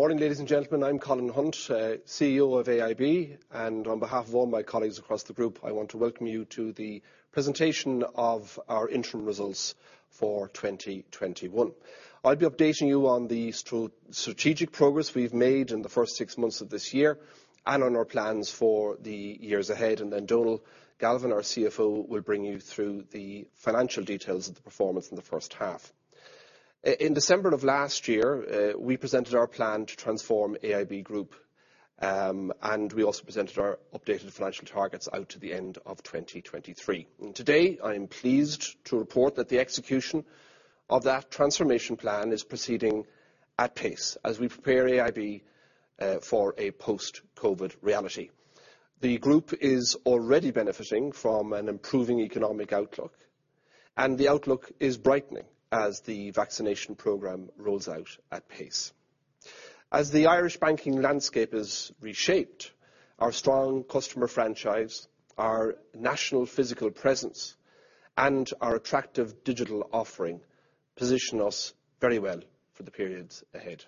Morning, ladies and gentlemen. I am Colin Hunt, CEO of AIB, and on behalf of all my colleagues across the group, I want to welcome you to the presentation of our interim results for 2021. I will be updating you on the strategic progress we have made in the first six months of this year and on our plans for the years ahead. Then Donal Galvin, our CFO, will bring you through the financial details of the performance in the first half. In December of last year, we presented our plan to transform AIB Group, and we also presented our updated financial targets out to the end of 2023. Today, I am pleased to report that the execution of that transformation plan is proceeding at pace as we prepare AIB for a post-COVID reality. The group is already benefiting from an improving economic outlook. The outlook is brightening as the vaccination program rolls out at pace. As the Irish banking landscape is reshaped, our strong customer franchise, our national physical presence, and our attractive digital offering position us very well for the periods ahead.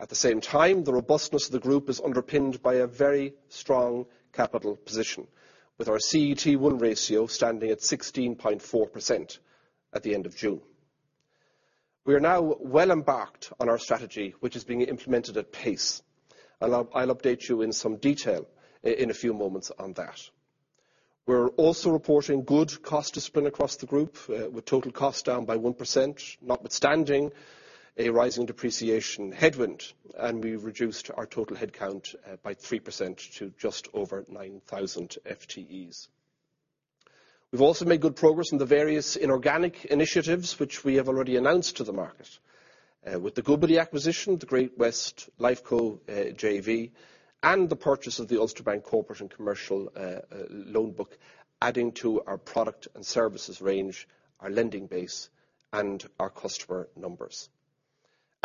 At the same time, the robustness of the group is underpinned by a very strong capital position, with our CET1 ratio standing at 16.4% at the end of June. We are now well embarked on our strategy, which is being implemented at pace. I'll update you in some detail in a few moments on that. We're also reporting good cost discipline across the group, with total cost down by 1%, notwithstanding a rising depreciation headwind, and we've reduced our total head count by 3% to just over 9,000 FTEs. We've also made good progress on the various inorganic initiatives which we have already announced to the market. With the Goodbody acquisition, the Great-West Lifeco JV, and the purchase of the Ulster Bank corporate and commercial loan book, adding to our product and services range, our lending base, and our customer numbers.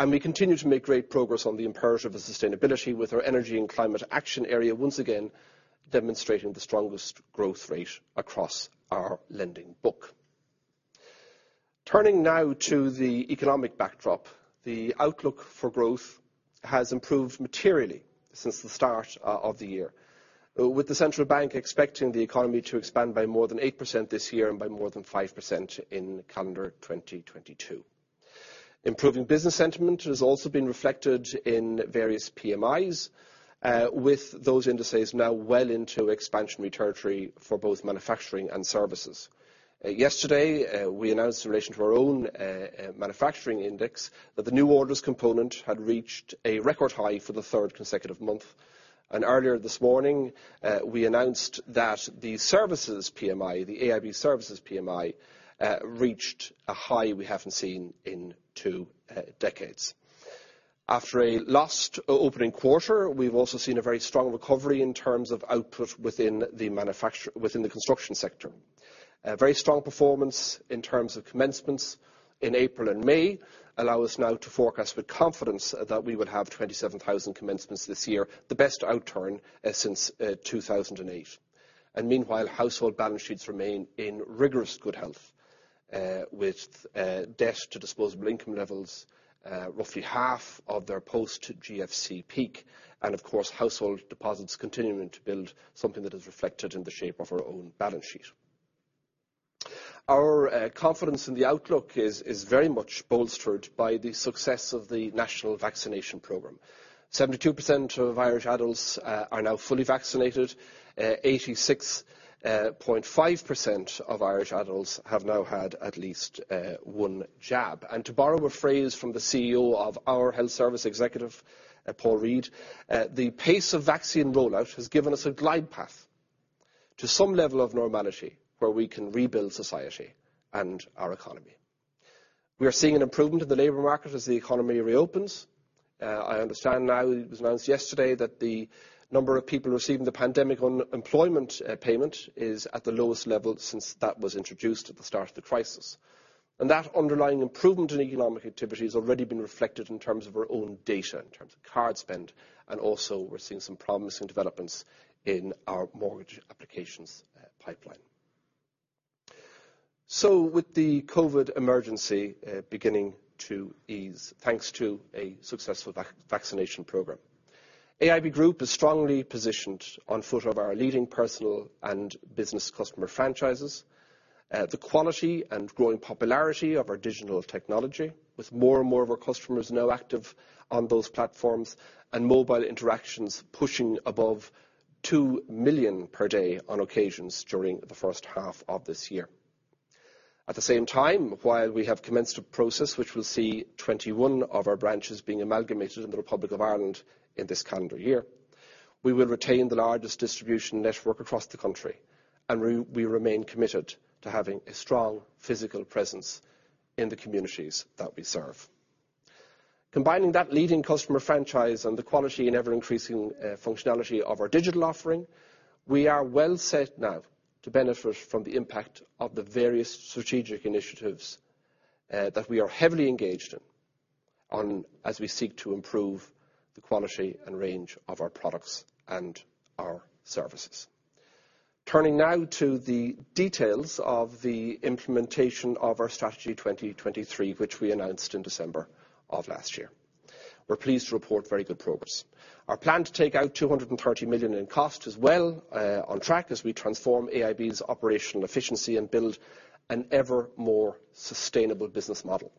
We continue to make great progress on the imperative of sustainability with our energy and climate action area, once again, demonstrating the strongest growth rate across our lending book. Turning now to the economic backdrop, the outlook for growth has improved materially since the start of the year, with the Central Bank expecting the economy to expand by more than 8% this year and by more than 5% in calendar 2022. Improving business sentiment has also been reflected in various PMIs, with those indices now well into expansionary territory for both manufacturing and services. Yesterday, we announced in relation to our own manufacturing index that the new orders component had reached a record high for the third consecutive month. Earlier this morning, we announced that the services PMI, the AIB services PMI, reached a high we haven't seen in two decades. After a lost opening quarter, we've also seen a very strong recovery in terms of output within the construction sector. A very strong performance in terms of commencements in April and May allow us now to forecast with confidence that we will have 27,000 commencements this year, the best outturn since 2008. Meanwhile, household balance sheets remain in rigorous good health, with debt to disposable income levels roughly half of their post-GFC peak, and of course, household deposits continuing to build something that is reflected in the shape of our own balance sheet. Our confidence in the outlook is very much bolstered by the success of the national vaccination program. 72% of Irish adults are now fully vaccinated. 86.5% of Irish adults have now had at least one jab. To borrow a phrase from the CEO of our Health Service Executive, Paul Reid, the pace of vaccine rollout has given us a glide path to some level of normality where we can rebuild society and our economy. We are seeing an improvement in the labor market as the economy reopens. I understand now, it was announced yesterday, that the number of people receiving the Pandemic Unemployment Payment is at the lowest level since that was introduced at the start of the crisis. That underlying improvement in economic activity has already been reflected in terms of our own data, in terms of card spend, and also we're seeing some promising developments in our mortgage applications pipeline. With the COVID emergency beginning to ease, thanks to a successful vaccination program, AIB Group is strongly positioned on foot of our leading personal and business customer franchises. The quality and growing popularity of our digital technology, with more and more of our customers now active on those platforms, and mobile interactions pushing above 2 million per day on occasions during the first half of this year. At the same time, while we have commenced a process which will see 21 of our branches being amalgamated in the Republic of Ireland in this calendar year, we will retain the largest distribution network across the country, and we remain committed to having a strong physical presence in the communities that we serve. Combining that leading customer franchise and the quality and ever-increasing functionality of our digital offering, we are well set now to benefit from the impact of the various strategic initiatives that we are heavily engaged in as we seek to improve the quality and range of our products and our services. Turning now to the details of the implementation of our Strategy 2023, which we announced in December of last year. We're pleased to report very good progress. Our plan to take out 230 million in cost is well on track as we transform AIB's operational efficiency and build an ever more sustainable business model.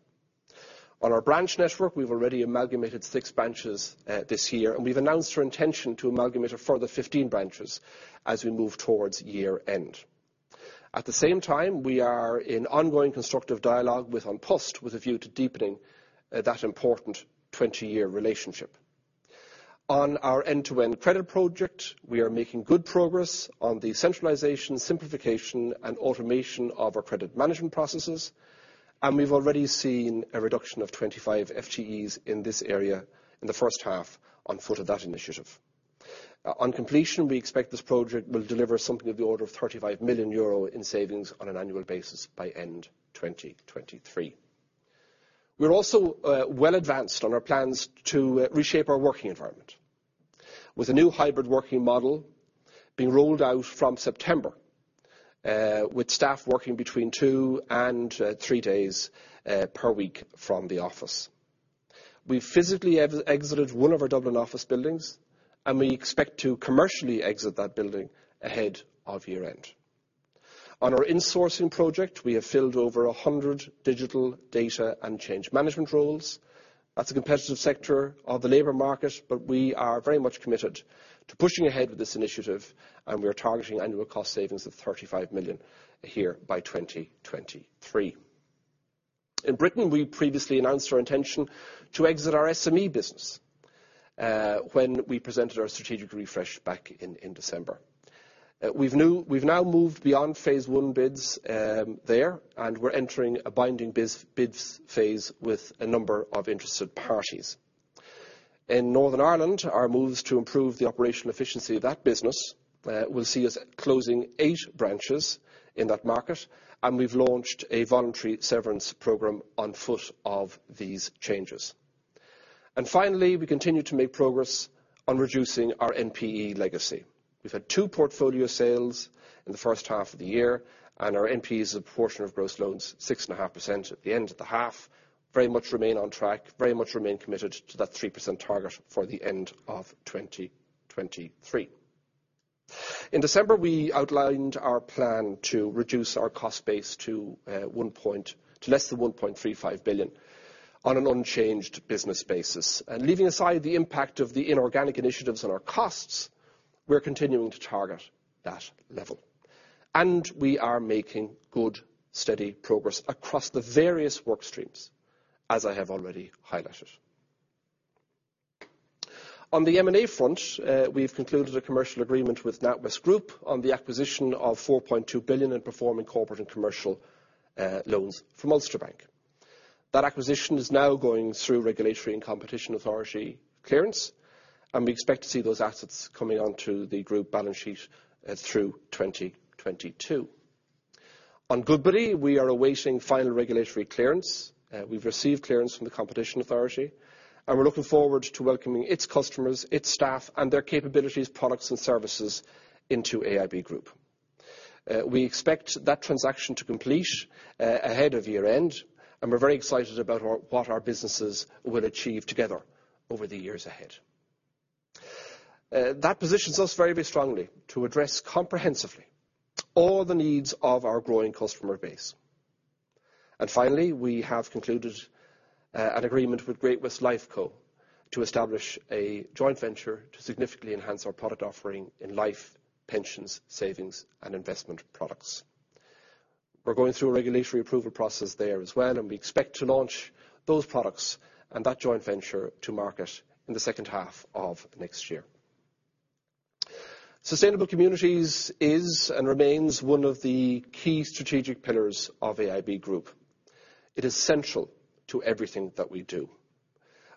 On our branch network, we've already amalgamated six branches this year. We've announced our intention to amalgamate a further 15 branches as we move towards year-end. At the same time, we are in ongoing constructive dialogue with An Post, with a view to deepening that important 20-year relationship. On our end-to-end credit project, we are making good progress on the centralization, simplification, and automation of our credit management processes. We've already seen a reduction of 25 FTEs in this area in the first half on foot of that initiative. On completion, we expect this project will deliver something of the order of 35 million euro in savings on an annual basis by end 2023. We're also well advanced on our plans to reshape our working environment. With a new hybrid working model being rolled out from September, with staff working between two and three days per week from the office. We physically exited one of our Dublin office buildings. We expect to commercially exit that building ahead of year-end. On our insourcing project, we have filled over 100 digital data and change management roles. That's a competitive sector of the labor market. We are very much committed to pushing ahead with this initiative, and we are targeting annual cost savings of 35 million here by 2023. In Britain, we previously announced our intention to exit our SME business. We presented our strategic refresh back in December. We've now moved beyond phase 1 bids there. We're entering a binding bids phase with a number of interested parties. In Northern Ireland, our moves to improve the operational efficiency of that business will see us closing eight branches in that market. We've launched a voluntary severance program on foot of these changes. Finally, we continue to make progress on reducing our NPE legacy. We've had two portfolio sales in the first half of the year. Our NPE as a proportion of gross loans, 6.5% at the end of the half, very much remain on track, very much remain committed to that 3% target for the end of 2023. In December, we outlined our plan to reduce our cost base to less than 1.35 billion on an unchanged business basis. Leaving aside the impact of the inorganic initiatives on our costs, we're continuing to target that level. We are making good, steady progress across the various work streams, as I have already highlighted. On the M&A front, we've concluded a commercial agreement with NatWest Group on the acquisition of 4.2 billion in performing corporate and commercial loans from Ulster Bank. That acquisition is now going through regulatory and competition authority clearance, and we expect to see those assets coming onto the group balance sheet through 2022. On Goodbody, we are awaiting final regulatory clearance. We've received clearance from the competition authority, and we're looking forward to welcoming its customers, its staff, and their capabilities, products, and services into AIB Group. We expect that transaction to complete ahead of year-end, and we're very excited about what our businesses will achieve together over the years ahead. That positions us very, very strongly to address comprehensively all the needs of our growing customer base. Finally, we have concluded an agreement with Great-West Lifeco to establish a joint venture to significantly enhance our product offering in life, pensions, savings, and investment products. We're going through a regulatory approval process there as well, and we expect to launch those products and that joint venture to market in the second half of next year. Sustainable communities is and remains one of the key strategic pillars of AIB Group. It is central to everything that we do.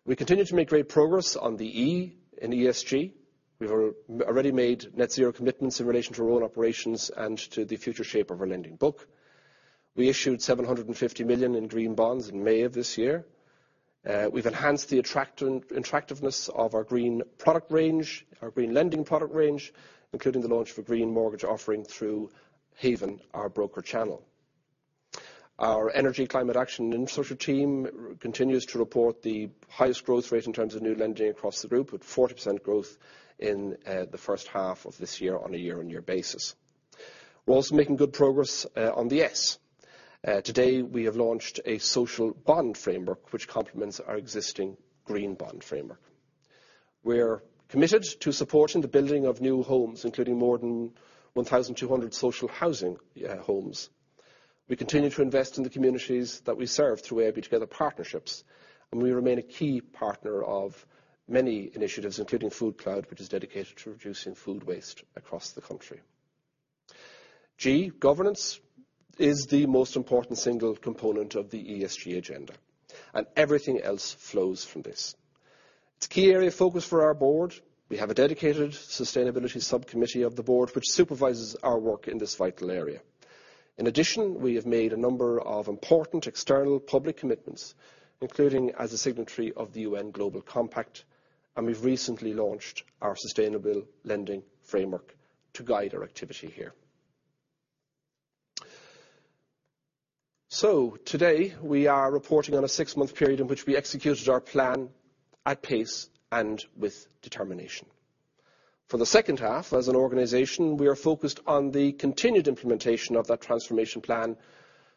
We continue to make great progress on the E in ESG. We've already made net zero commitments in relation to our own operations and to the future shape of our lending book. We issued 750 million in green bonds in May of this year. We've enhanced the attractiveness of our green product range, our green lending product range, including the launch of a green mortgage offering through Haven, our broker channel. Our energy climate action and social team continues to report the highest growth rate in terms of new lending across the group, with 40% growth in the first half of this year on a year-on-year basis. We're also making good progress on the ESG. Today, we have launched a social bond framework which complements our existing green bond framework. We're committed to supporting the building of new homes, including more than 1,200 social housing homes. We continue to invest in the communities that we serve through AIB Together partnerships. We remain a key partner of many initiatives, including FoodCloud, which is dedicated to reducing food waste across the country. G, governance, is the most important single component of the ESG agenda. Everything else flows from this. It's a key area of focus for our board. We have a dedicated sustainability subcommittee of the board, which supervises our work in this vital area. In addition, we have made a number of important external public commitments, including as a signatory of the UN Global Compact, and we have recently launched our Sustainable Lending Framework to guide our activity here. Today, we are reporting on a six-month period in which we executed our plan at pace and with determination. For the second half, as an organization, we are focused on the continued implementation of that transformation plan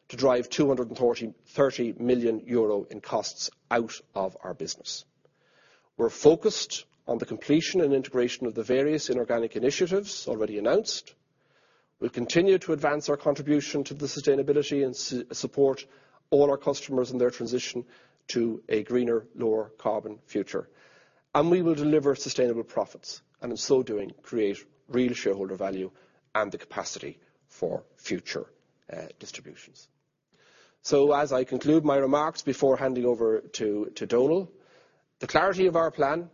to drive 230 million euro in costs out of our business. We are focused on the completion and integration of the various inorganic initiatives already announced. We will continue to advance our contribution to the sustainability and support all our customers in their transition to a greener, lower carbon future. We will deliver sustainable profits, and in so doing, create real shareholder value and the capacity for future distributions. As I conclude my remarks before handing over to Donal, the clarity of our plan,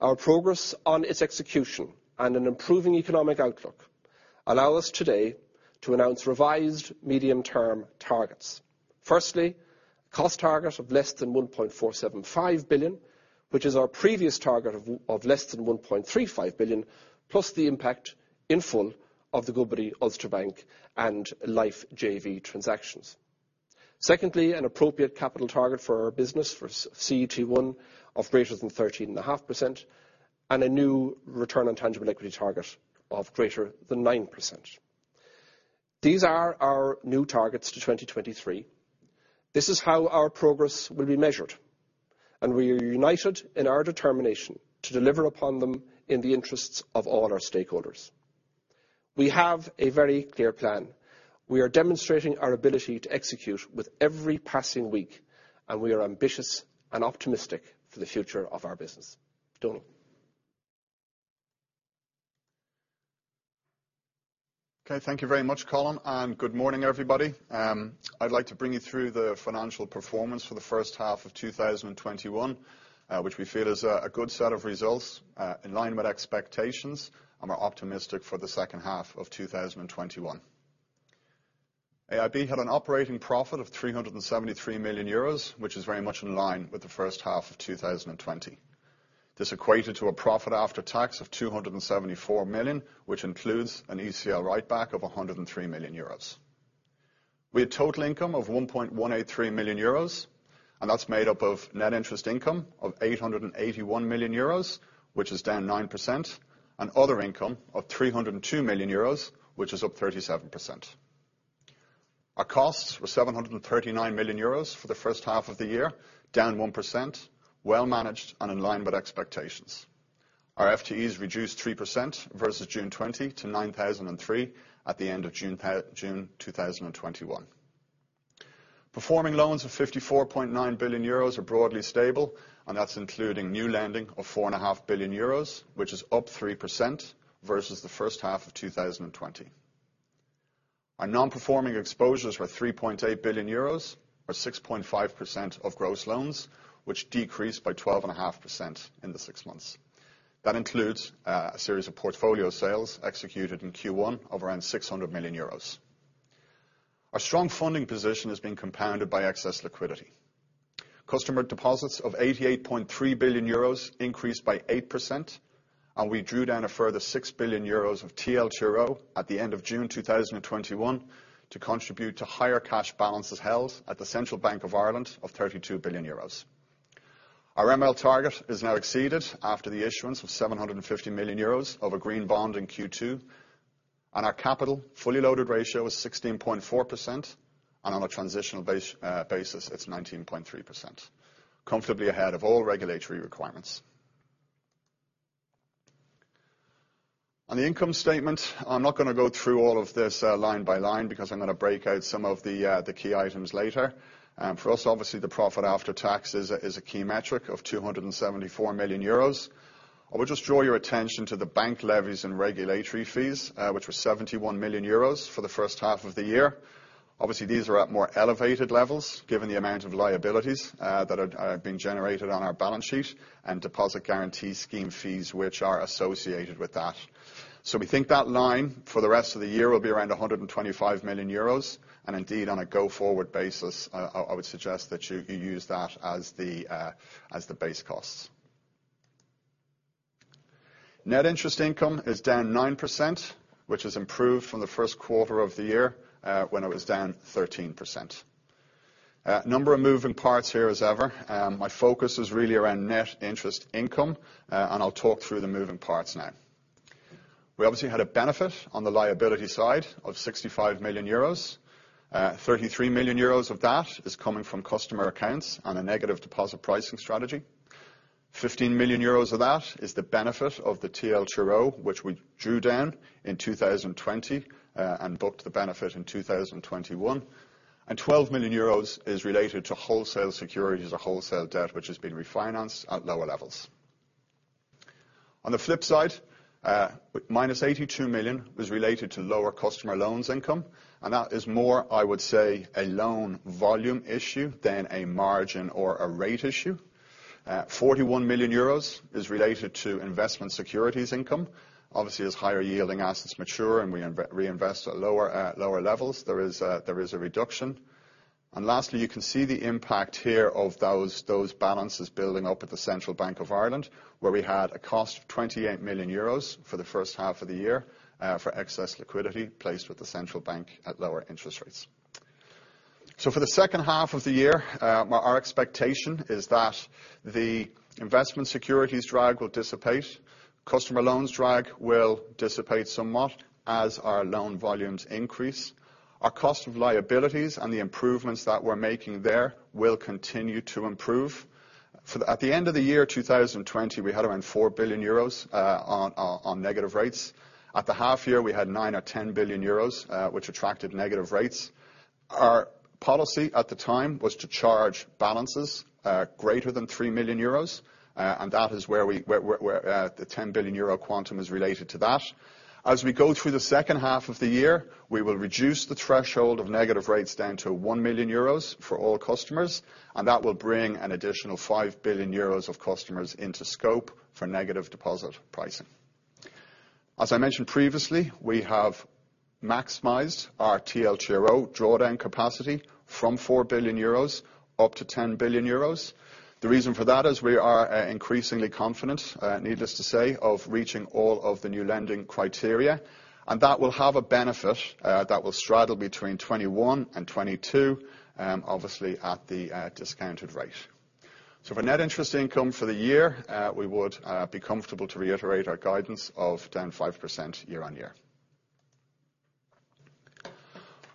our progress on its execution, and an improving economic outlook allow us today to announce revised medium-term targets. Firstly, cost target of less than 1.475 billion, which is our previous target of less than 1.35 billion, plus the impact in full of the Goodbody Ulster Bank and life JV transactions. Secondly, an appropriate capital target for our business for CET1 of greater than 13.5%, and a new return on tangible equity target of greater than 9%. These are our new targets to 2023. This is how our progress will be measured, and we are united in our determination to deliver upon them in the interests of all our stakeholders. We have a very clear plan. We are demonstrating our ability to execute with every passing week, and we are ambitious and optimistic for the future of our business. Donal? Okay, thank you very much, Colin. Good morning, everybody. I'd like to bring you through the financial performance for the first half of 2021, which we feel is a good set of results in line with expectations, and we're optimistic for the second half of 2021. AIB had an operating profit of 373 million euros, which is very much in line with the first half of 2020. This equated to a profit after tax of 274 million, which includes an ECL write-back of 103 million euros. We had total income of 1.183 million euros, and that's made up of net interest income of 881 million euros, which is down 9%, and other income of 302 million euros, which is up 37%. Our costs were 739 million euros for the first half of the year, down 1%, well managed and in line with expectations. Our FTEs reduced 3% versus June 2020 to 9,003 at the end of June 2021. Performing loans of 54.9 billion euros are broadly stable, and that's including new lending of 4.5 billion euros, which is up 3% versus the first half of 2020. Our non-performing exposures were 3.8 billion euros or 6.5% of gross loans, which decreased by 12.5% in the 6 months. That includes a series of portfolio sales executed in Q1 of around 600 million euros. Our strong funding position has been compounded by excess liquidity. Customer deposits of 88.3 billion euros increased by 8%, and we drew down a further 6 billion euros of TLTRO at the end of June 2021 to contribute to higher cash balances held at the Central Bank of Ireland of EUR 32 billion. Our MREL target is now exceeded after the issuance of 750 million euros of a green bond in Q2. Our capital fully loaded ratio is 16.4%, and on a transitional basis, it's 19.3%, comfortably ahead of all regulatory requirements. On the income statement, I'm not going to go through all of this line by line because I'm going to break out some of the key items later. For us, obviously, the profit after tax is a key metric of 274 million euros. I would just draw your attention to the bank levies and regulatory fees, which were 71 million euros for the first half of the year. Obviously, these are at more elevated levels given the amount of liabilities that have been generated on our balance sheet and Deposit Guarantee Scheme fees, which are associated with that. We think that line for the rest of the year will be around 125 million euros. Indeed, on a go-forward basis, I would suggest that you use that as the base costs. Net interest income is down 9%, which has improved from the first quarter of the year, when it was down 13%. A number of moving parts here as ever. My focus is really around net interest income, and I'll talk through the moving parts now. We obviously had a benefit on the liability side of 65 million euros. 33 million euros of that is coming from customer accounts on a negative deposit pricing strategy. 15 million euros of that is the benefit of the TLTRO, which we drew down in 2020, and booked the benefit in 2021. 12 million euros is related to wholesale securities or wholesale debt, which has been refinanced at lower levels. On the flip side, -82 million was related to lower customer loans income, and that is more, I would say, a loan volume issue than a margin or a rate issue. 41 million euros is related to investment securities income. Obviously, as higher-yielding assets mature and we reinvest at lower levels, there is a reduction. Lastly, you can see the impact here of those balances building up at the Central Bank of Ireland, where we had a cost of 28 million euros for the first half of the year, for excess liquidity placed with the Central Bank at lower interest rates. For the second half of the year, our expectation is that the investment securities drag will dissipate. Customer loans drag will dissipate somewhat as our loan volumes increase. Our cost of liabilities and the improvements that we're making there will continue to improve. At the end of the year 2020, we had around 4 billion euros on negative rates. At the half year, we had 9 billion or 10 billion euros, which attracted negative rates. Our policy at the time was to charge balances greater than 3 million euros, and the 10 billion euro quantum is related to that. As we go through the second half of the year, we will reduce the threshold of negative rates down to 1 million euros for all customers, and that will bring an additional 5 billion euros of customers into scope for negative deposit pricing. As I mentioned previously, we have maximized our TLTRO drawdown capacity from 4 billion euros up to 10 billion euros. The reason for that is we are increasingly confident, needless to say, of reaching all of the new lending criteria. That will have a benefit that will straddle between 2021 and 2022, obviously at the discounted rate. For net interest income for the year, we would be comfortable to reiterate our guidance of down 5% year-on-year.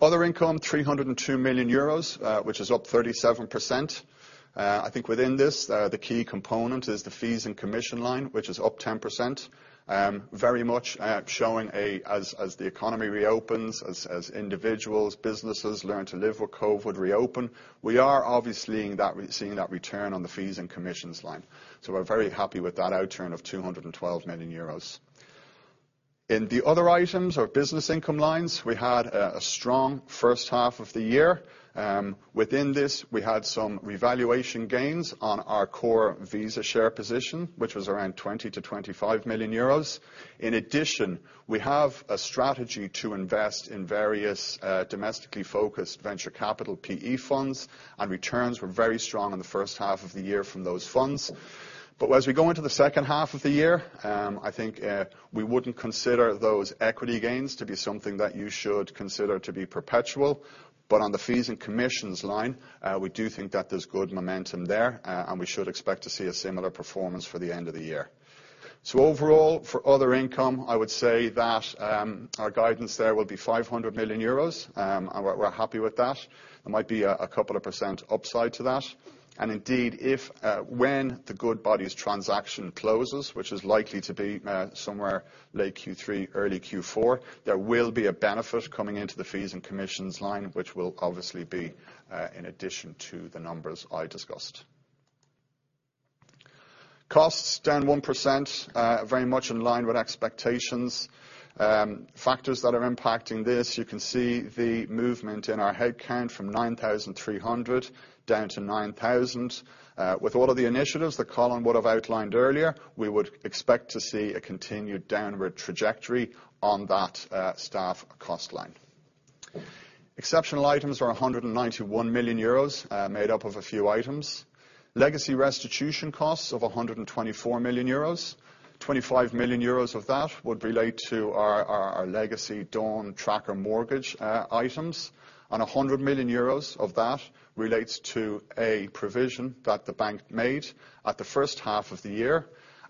Other income, 302 million euros, which is up 37%. I think within this, the key component is the fees and commission line, which is up 10%, very much showing as the economy reopens, as individuals, businesses learn to live with COVID, reopen, we are obviously seeing that return on the fees and commissions line. We're very happy with that outturn of 212 million euros. In the other items or business income lines, we had a strong first half of the year. Within this, we had some revaluation gains on our core Visa share position, which was around 20 million-25 million euros. We have a strategy to invest in various domestically focused venture capital PE funds, and returns were very strong in the first half of the year from those funds. As we go into the second half of the year, I think we wouldn't consider those equity gains to be something that you should consider to be perpetual. On the fees and commissions line, we do think that there's good momentum there, and we should expect to see a similar performance for the end of the year. Overall, for other income, I would say that our guidance there will be 500 million euros, and we're happy with that. There might be a couple of percent upside to that. Indeed, when the Goodbody transaction closes, which is likely to be somewhere late Q3, early Q4, there will be a benefit coming into the fees and commissions line, which will obviously be in addition to the numbers I discussed. Costs down 1%, very much in line with expectations. Factors that are impacting this, you can see the movement in our headcount from 9,300 down to 9,000. With all of the initiatives that Colin would have outlined earlier, we would expect to see a continued downward trajectory on that staff cost line. Exceptional items are 191 million euros, made up of a few items. Legacy restitution costs of 124 million euros, 25 million euros of that would relate to our legacy tracker mortgage items, and 100 million euros of that relates to a provision that the bank made at the first half of the year.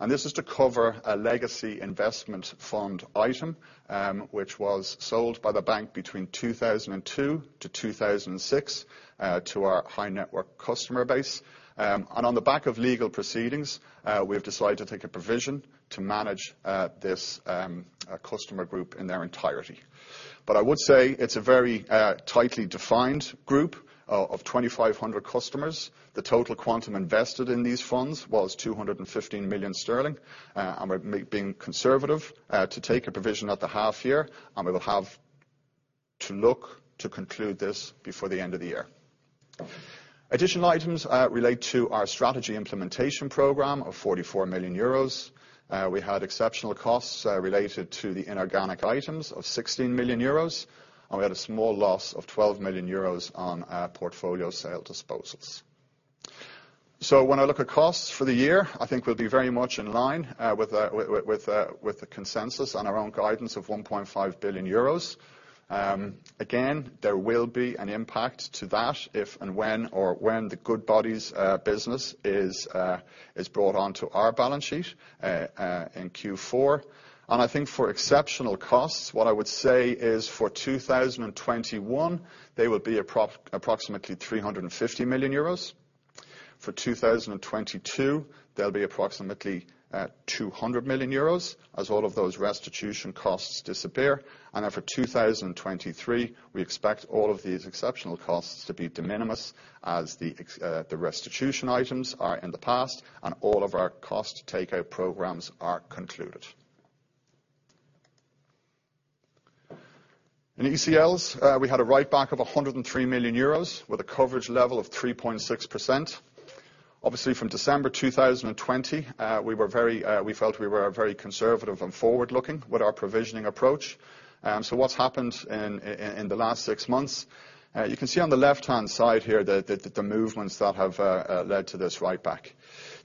This is to cover a legacy investment fund item, which was sold by the bank between 2002 to 2006, to our high net worth customer base. On the back of legal proceedings, we have decided to take a provision to manage this customer group in their entirety. I would say it's a very tightly defined group of 2,500 customers. The total quantum invested in these funds was 215 million sterling. We're being conservative to take a provision at the half year, and we will have to look to conclude this before the end of the year. Additional items relate to our strategy implementation program of 44 million euros. We had exceptional costs related to the inorganic items of 16 million euros, and we had a small loss of 12 million euros on our portfolio sale disposals. When I look at costs for the year, I think we'll be very much in line with the consensus on our own guidance of 1.5 billion euros. Again, there will be an impact to that if and when or when the Goodbody's business is brought onto our balance sheet in Q4. I think for exceptional costs, what I would say is for 2021, they will be approximately 350 million euros. For 2022, they'll be approximately 200 million euros, as all of those restitution costs disappear. For 2023, we expect all of these exceptional costs to be de minimis as the restitution items are in the past and all of our cost takeout programs are concluded. In ECLs, we had a write-back of 103 million euros, with a coverage level of 3.6%. Obviously, from December 2020, we felt we were very conservative and forward-looking with our provisioning approach. What's happened in the last six months, you can see on the left-hand side here the movements that have led to this write-back.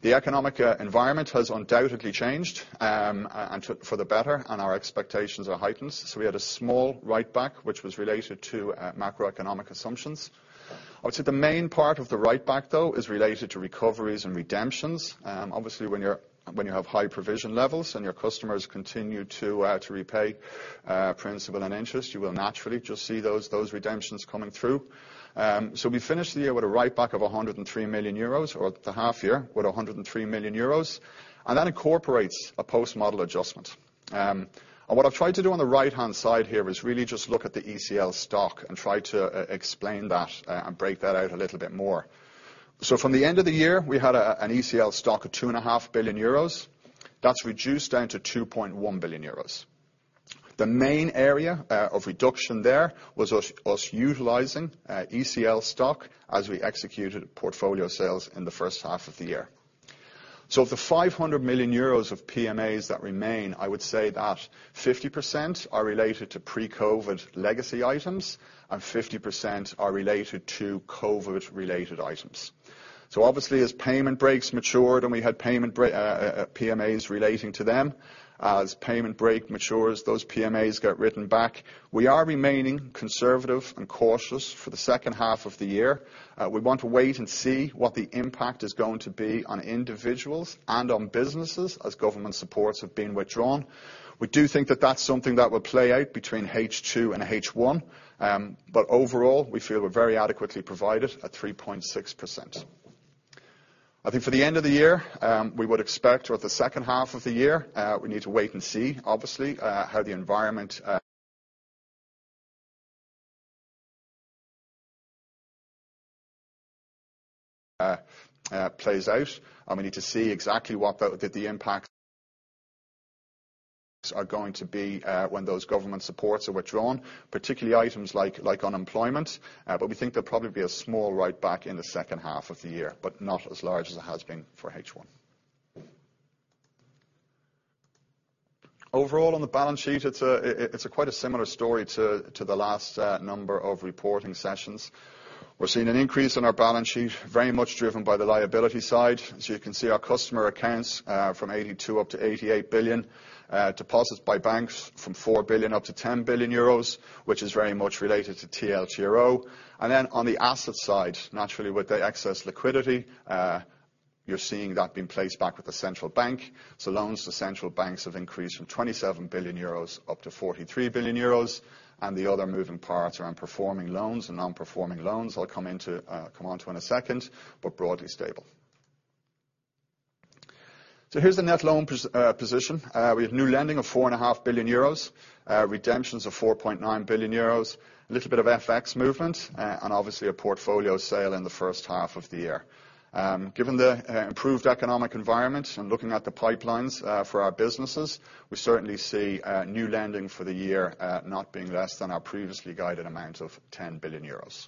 The economic environment has undoubtedly changed for the better, and our expectations are heightened. We had a small write-back, which was related to macroeconomic assumptions. I would say the main part of the write-back, though, is related to recoveries and redemptions. Obviously, when you have high provision levels and your customers continue to repay principal and interest, you will naturally just see those redemptions coming through. We finished the year with a write-back of 103 million euros, or the half year, with 103 million euros, and that incorporates a post-model adjustment. What I've tried to do on the right-hand side here is really just look at the ECL stock and try to explain that and break that out a little bit more. From the end of the year, we had an ECL stock of 2.5 billion euros. That's reduced down to 2.1 billion euros. The main area of reduction there was us utilizing ECL stock as we executed portfolio sales in the first half of the year. Of the 500 million euros of PMAs that remain, I would say that 50% are related to pre-COVID legacy items, and 50% are related to COVID-related items. Obviously as payment breaks matured and we had PMAs relating to them, as payment break matures, those PMAs get written back. We are remaining conservative and cautious for the second half of the year. We want to wait and see what the impact is going to be on individuals and on businesses as government supports have been withdrawn. We do think that that's something that will play out between H2 and H1. Overall, we feel we're very adequately provided at 3.6%. I think for the end of the year, we would expect, or the second half of the year, we need to wait and see, obviously, how the environment plays out, and we need to see exactly what the impacts are going to be when those government supports are withdrawn, particularly items like unemployment. We think there'll probably be a small write-back in the second half of the year, but not as large as it has been for H1. Overall, on the balance sheet, it's quite a similar story to the last number of reporting sessions. We're seeing an increase in our balance sheet, very much driven by the liability side. You can see our customer accounts from 82 billion up to 88 billion, deposits by banks from 4 billion up to 10 billion euros, which is very much related to TLTRO. On the asset side, naturally with the excess liquidity, you are seeing that being placed back with the Central Bank. Loans to Central Banks have increased from 27 billion euros up to 43 billion euros, and the other moving parts around performing loans and non-performing loans I will come onto in a second, but broadly stable. Here is the net loan position. We have new lending of 4.5 billion euros, redemptions of 4.9 billion euros, a little bit of FX movement, and obviously a portfolio sale in the first half of the year. Given the improved economic environment and looking at the pipelines for our businesses, we certainly see new lending for the year not being less than our previously guided amount of 10 billion euros.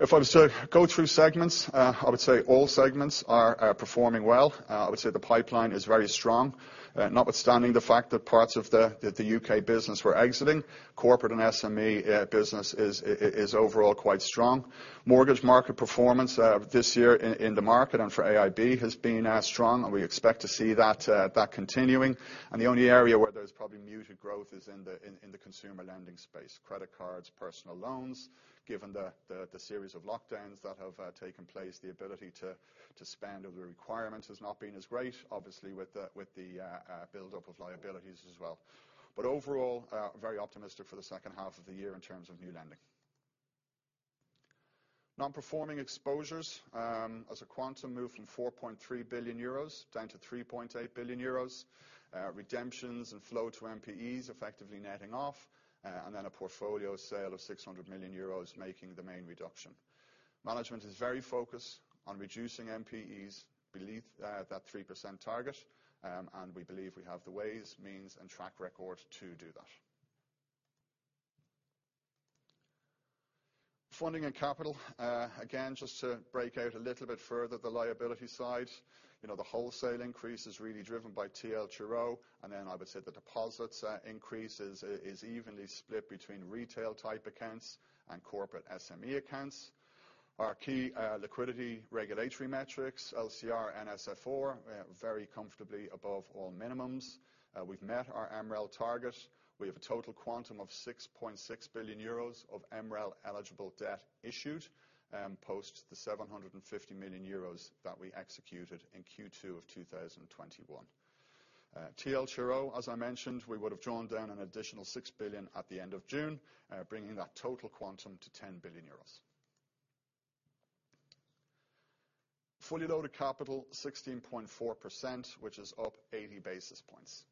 If I was to go through segments, I would say all segments are performing well. I would say the pipeline is very strong, notwithstanding the fact that parts of the U.K. business we're exiting. Corporate and SME business is overall quite strong. Mortgage market performance this year in the market and for AIB has been as strong, we expect to see that continuing. The only area where there's probably muted growth is in the consumer lending space, credit cards, personal loans. Given the series of lockdowns that have taken place, the ability to spend or the requirement has not been as great, obviously with the buildup of liabilities as well. Overall, very optimistic for the second half of the year in terms of new lending. Non-performing exposures as a quantum moved from 4.3 billion euros down to 3.8 billion euros. Redemptions and flow to NPEs effectively netting off, then a portfolio sale of 600 million euros making the main reduction. Management is very focused on reducing NPEs beneath that 3% target, we believe we have the ways, means, and track record to do that. Funding and capital, again, just to break out a little bit further, the liability side. The wholesale increase is really driven by TLTRO, then I would say the deposits increase is evenly split between retail-type accounts and corporate SME accounts. Our key liquidity regulatory metrics, LCR, NSFR, very comfortably above all minimums. We've met our MREL target. We have a total quantum of 6.6 billion euros of MREL-eligible debt issued, post the 750 million euros that we executed in Q2 2021. TLTRO, as I mentioned, we would have drawn down an additional 6 billion at the end of June, bringing that total quantum to 10 billion euros. Fully loaded capital, 16.4%, which is up 80 basis points.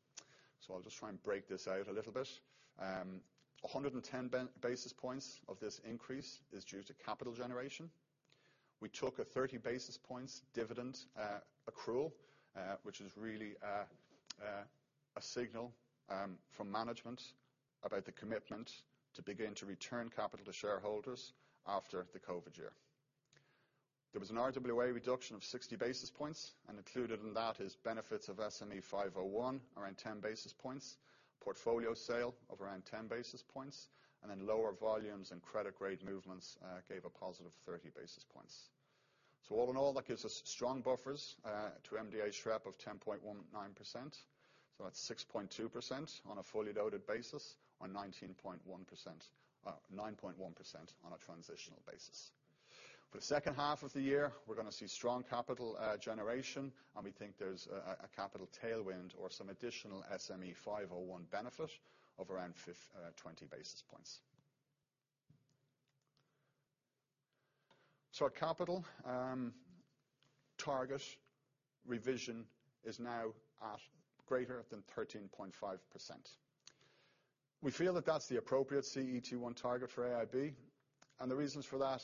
I'll just try and break this out a little bit. 110 basis points of this increase is due to capital generation. We took a 30 basis points dividend accrual, which is really a signal from management about the commitment to begin to return capital to shareholders after the COVID year. There was an RWA reduction of 60 basis points, and included in that is benefits of SME 501, around 10 basis points, portfolio sale of around 10 basis points, and then lower volumes and credit grade movements gave a positive 30 basis points. All in all, that gives us strong buffers to MDA SREP of 10.19%, so that's 6.2% on a fully loaded basis or 9.1% on a transitional basis. For the second half of the year, we're going to see strong capital generation, and we think there's a capital tailwind or some additional SME 501 benefit of around 20 basis points. Our capital target revision is now at greater than 13.5%. We feel that that's the appropriate CET1 target for AIB, and the reasons for that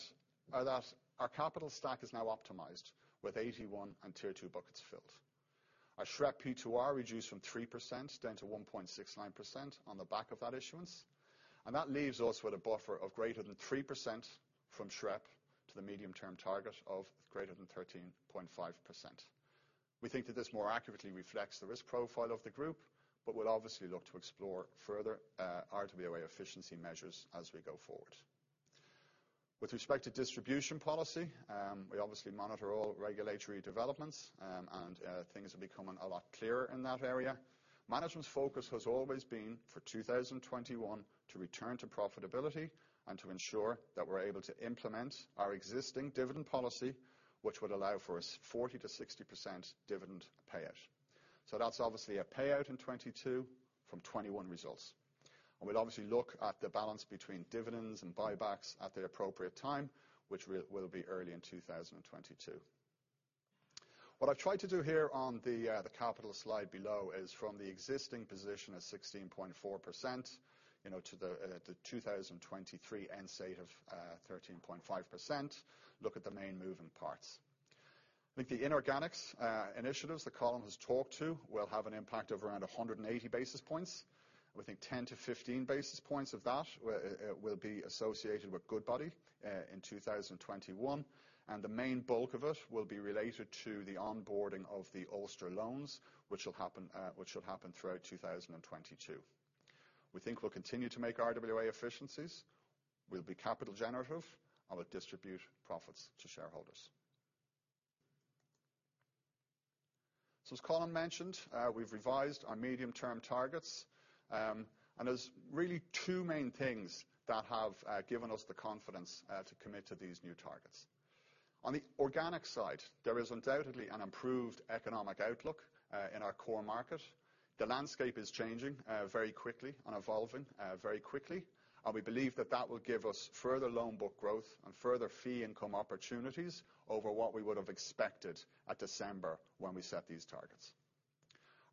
are that our capital stack is now optimized with AT1 and Tier 2 buckets filled. Our SREP P2R reduced from 3% down to 1.69% on the back of that issuance. That leaves us with a buffer of greater than 3% from SREP to the medium-term target of greater than 13.5%. We think that this more accurately reflects the risk profile of the group, but we'll obviously look to explore further RWA efficiency measures as we go forward. With respect to distribution policy, we obviously monitor all regulatory developments, and things are becoming a lot clearer in that area. Management's focus has always been for 2021 to return to profitability and to ensure that we're able to implement our existing dividend policy, which would allow for a 40%-60% dividend payout. That's obviously a payout in 2022 from 2021 results. We'll obviously look at the balance between dividends and buybacks at the appropriate time, which will be early in 2022. What I've tried to do here on the capital slide below is from the existing position of 16.4% to the 2023 end state of 13.5%, look at the main moving parts. I think the inorganics initiatives that Colin has talked to will have an impact of around 180 basis points. We think 10-15 basis points of that will be associated with Goodbody in 2021, and the main bulk of it will be related to the onboarding of the Ulster loans, which will happen throughout 2022. We think we'll continue to make RWA efficiencies, we'll be capital generative, and we'll distribute profits to shareholders. As Colin mentioned, we've revised our medium-term targets, and there's really two main things that have given us the confidence to commit to these new targets. On the organic side, there is undoubtedly an improved economic outlook in our core market. The landscape is changing very quickly and evolving very quickly. We believe that that will give us further loan book growth and further fee income opportunities over what we would have expected at December when we set these targets.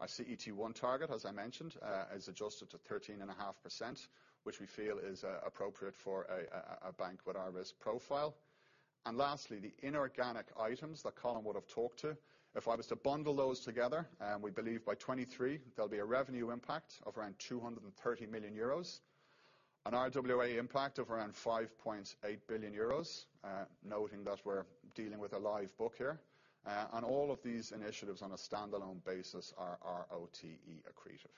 Our CET1 target, as I mentioned, is adjusted to 13.5%, which we feel is appropriate for a bank with our risk profile. Lastly, the inorganic items that Colin would have talked to, if I was to bundle those together, we believe by 2023 there'll be a revenue impact of around 230 million euros, an RWA impact of around 5.8 billion euros, noting that we're dealing with a live book here. All of these initiatives on a standalone basis are ROTE accretive.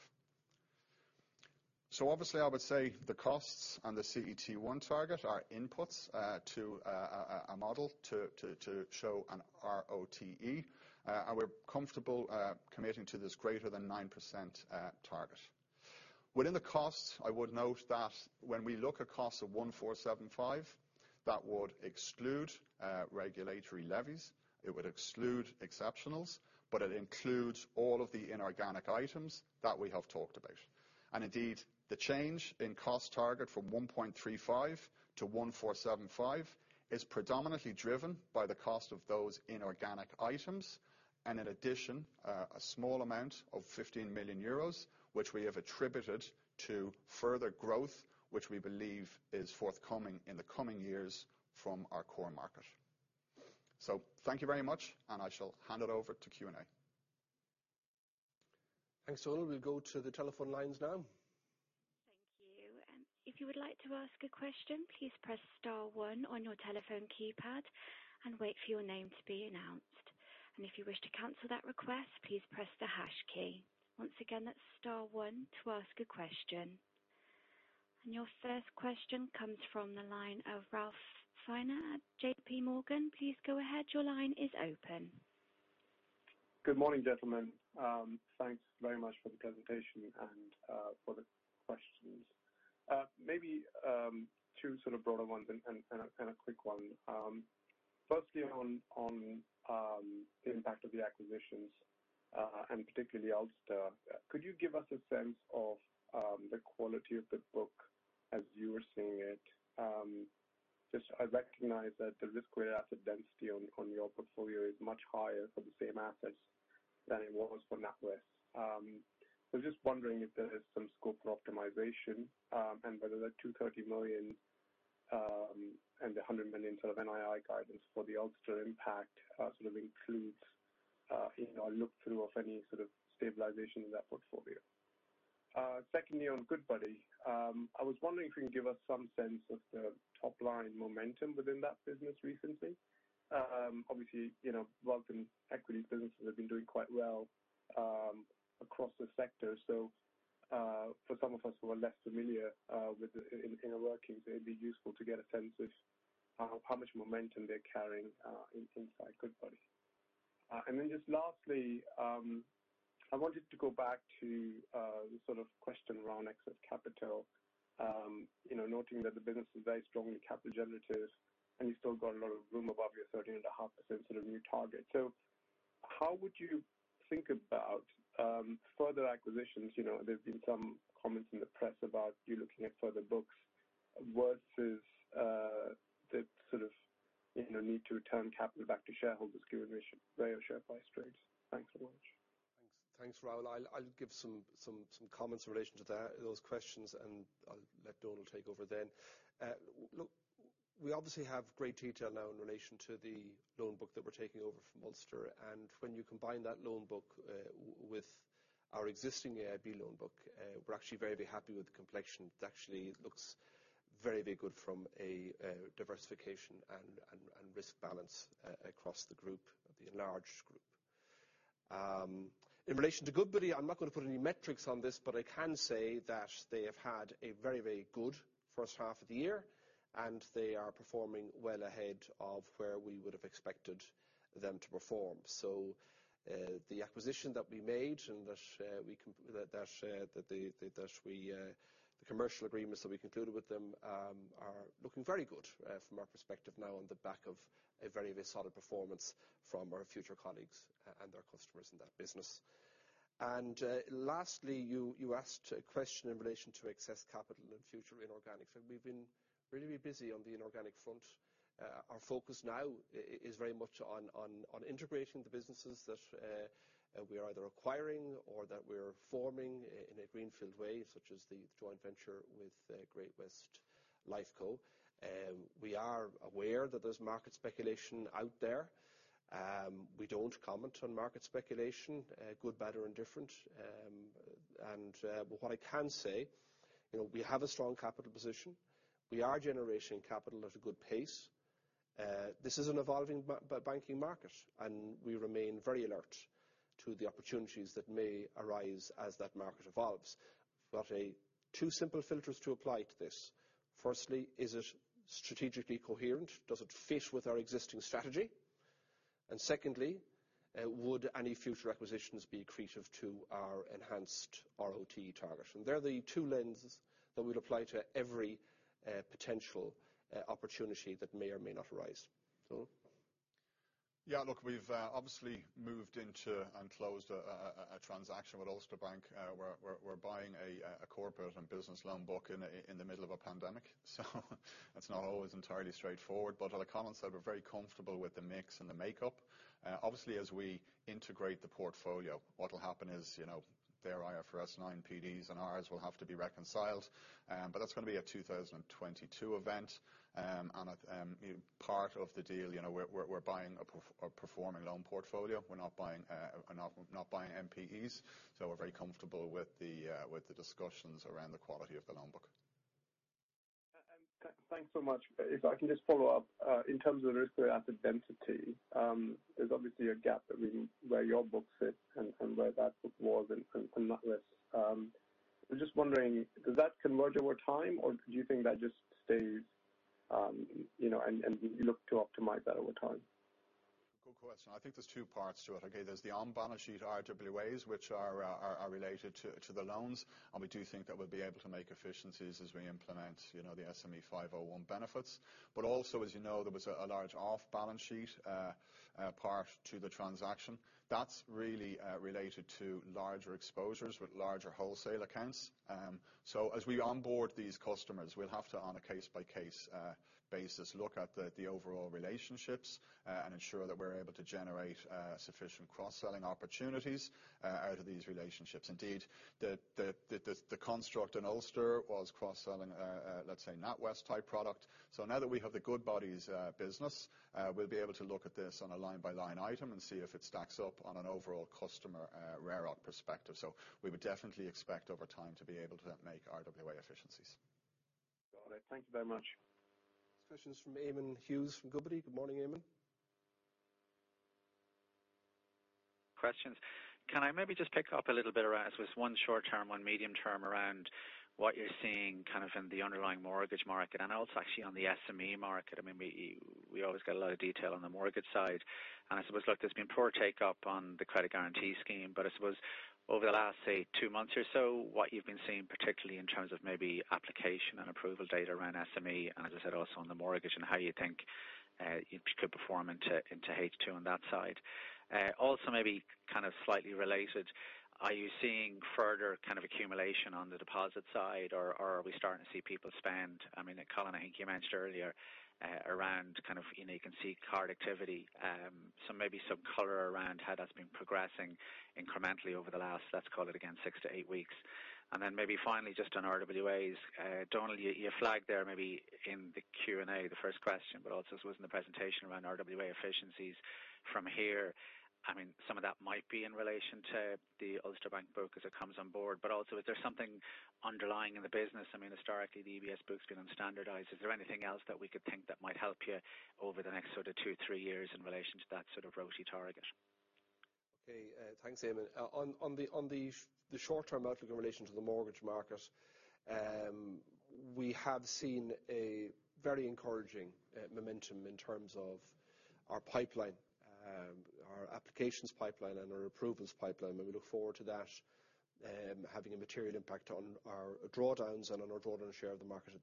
Obviously, I would say the costs and the CET1 target are inputs to a one model to show an ROTE. We're comfortable committing to this greater than 9% target. Within the costs, I would note that when we look at costs of 1,475 million, that would exclude regulatory levies, it would exclude exceptionals, but it includes all of the inorganic items that we have talked about. Indeed, the change in cost target from 1.35 million to 1,475 million is predominantly driven by the cost of those inorganic items, and in addition, a small amount of 15 million euros, which we have attributed to further growth, which we believe is forthcoming in the coming years from our core market. Thank you very much, and I shall hand it over to Q&A. Thanks, all. We'll go to the telephone lines now. Thank you. If you would like to ask a question, please press star one on your telephone keypad and wait for your name to be announced. If you wish to cancel that request, please press the hash key. Once again, that's star one to ask a question. Your first question comes from the line of Raul Sinha at JPMorgan. Please go ahead. Your line is open. Good morning, gentlemen. Thanks very much for the presentation and for the questions. Maybe two sort of broader ones and a kind of quick one. Firstly on the impact of the acquisitions, and particularly Ulster, could you give us a sense of the quality of the book as you are seeing it? Just I recognize that the risk-weighted asset density on your portfolio is much higher for the same assets than it was for NatWest. I was just wondering if there is some scope for optimization, and whether that 230 million, and the 100 million sort of NII guidance for the Ulster impact sort of includes In our look through of any sort of stabilization in that portfolio. Secondly, on Goodbody, I was wondering if you can give us some sense of the top-line momentum within that business recently. Obviously, wealth and equities businesses have been doing quite well across the sector. For some of us who are less familiar with the inner workings, it'd be useful to get a sense of how much momentum they're carrying inside Goodbody. I wanted to go back to the question around excess capital, noting that the business is very strongly capital generative, and you've still got a lot of room above your 13.5% sort of new target. How would you think about further acquisitions? There have been some comments in the press about you looking at further books versus the need to return capital back to shareholders via share buybacks trades. Thanks so much. Thanks, Raul. I'll give some comments in relation to those questions, and I'll let Donal take over then. Look, we obviously have great detail now in relation to the loan book that we're taking over from Ulster. When you combine that loan book with our existing AIB loan book, we're actually very happy with the complexion. It actually looks very good from a diversification and risk balance across the group, the enlarged group. In relation to Goodbody, I'm not going to put any metrics on this, but I can say that they have had a very good first half of the year, and they are performing well ahead of where we would have expected them to perform. The acquisition that we made and the commercial agreements that we concluded with them are looking very good from our perspective now on the back of a very solid performance from our future colleagues and their customers in that business. Lastly, you asked a question in relation to excess capital and future inorganics. We've been really busy on the inorganic front. Our focus now is very much on integrating the businesses that we are either acquiring or that we're forming in a greenfield way, such as the joint venture with Great-West Lifeco. We are aware that there's market speculation out there. We don't comment on market speculation, good, bad, or indifferent. What I can say, we have a strong capital position. We are generating capital at a good pace. This is an evolving banking market. We remain very alert to the opportunities that may arise as that market evolves. We've got two simple filters to apply to this. Firstly, is it strategically coherent? Does it fit with our existing strategy? Secondly, would any future acquisitions be accretive to our enhanced ROTE target? They're the two lenses that we'd apply to every potential opportunity that may or may not arise. Donal? Yeah, look, we've obviously moved into and closed a transaction with Ulster Bank. On the comments that we're very comfortable with the mix and the makeup. Obviously, as we integrate the portfolio, what'll happen is, their IFRS9 PDs and ours will have to be reconciled, but that's going to be a 2022 event. Part of the deal, we're buying a performing loan portfolio. We're not buying NPEs, so we're very comfortable with the discussions around the quality of the loan book. Thanks so much. If I can just follow up, in terms of the risk of asset density, there is obviously a gap between where your book sits and where that book was in NatWest. I am just wondering, does that converge over time, or do you think that just stays, and you look to optimize that over time? Good question. I think there's two parts to it. Okay. There's the on-balance-sheet RWAs, which are related to the loans, and we do think that we'll be able to make efficiencies as we implement the SME 501 benefits. Also, as you know, there was a large off-balance-sheet part to the transaction. That's really related to larger exposures with larger wholesale accounts. As we onboard these customers, we'll have to, on a case-by-case basis, look at the overall relationships, and ensure that we're able to generate sufficient cross-selling opportunities out of these relationships. Indeed, the construct in Ulster was cross-selling, let's say, NatWest type product. Now that we have the Goodbody business, we'll be able to look at this on a line-by-line item and see if it stacks up on an overall customer RAROC perspective. We would definitely expect over time to be able to make RWA efficiencies. Got it. Thank you very much. Questions from Eamonn Hughes from Goodbody. Good morning, Eamonn. Questions. Can I maybe just pick up a little bit around, so it's one short term, one medium term, around what you're seeing kind of in the underlying mortgage market, and also actually on the SME market. We always get a lot of detail on the mortgage side. I suppose, look, there's been poor take-up on the Credit Guarantee Scheme, but I suppose over the last, say, two months or so, what you've been seeing, particularly in terms of maybe application and approval data around SME, and as I said, also on the mortgage, and how you think it could perform into H2 on that side. Maybe kind of slightly related, are you seeing further kind of accumulation on the deposit side, or are we starting to see people spend? Colin, I think you mentioned earlier around you can see card activity. Maybe some color around how that's been progressing incrementally over the last, let's call it again, six to eight weeks. Maybe finally, just on RWAs, Donal, you flagged there maybe in the Q&A, the first question, but also this was in the presentation around RWA efficiencies from here. Some of that might be in relation to the Ulster Bank book as it comes on board, but also is there something underlying in the business? Historically, the EBS book's been on standardized. Is there anything else that we could think that might help you over the next sort of two, three years in relation to that sort of ROTE target? Okay. Thanks, Eamonn. On the short-term outlook in relation to the mortgage market, we have seen a very encouraging momentum in terms of our pipeline, our applications pipeline, and our approvals pipeline. We look forward to that having a material impact on our drawdowns and on our drawdown share of the market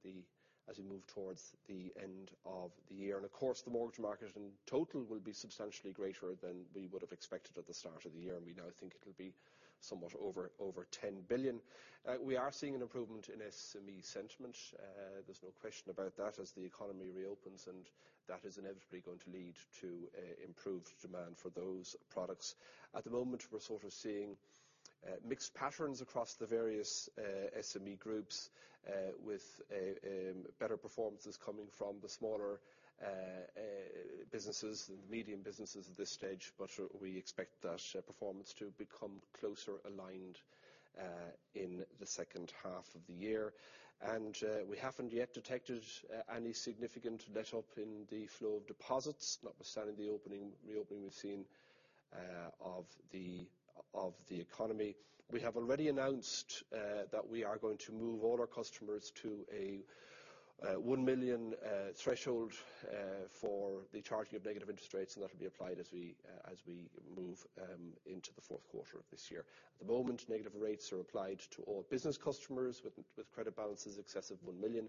as we move towards the end of the year. Of course, the mortgage market in total will be substantially greater than we would have expected at the start of the year, we now think it'll be somewhat over 10 billion. We are seeing an improvement in SME sentiment. There's no question about that as the economy reopens, that is inevitably going to lead to improved demand for those products. At the moment, we're sort of seeing mixed patterns across the various SME groups, with better performances coming from the smaller businesses and the medium businesses at this stage. We expect that performance to become closer aligned, in the second half of the year. We haven't yet detected any significant letup in the flow of deposits, notwithstanding the reopening we've seen of the economy. We have already announced that we are going to move all our customers to a 1 million threshold for the charging of negative interest rates, and that will be applied as we move into the fourth quarter of this year. At the moment, negative rates are applied to all business customers with credit balances in excess of 1 million,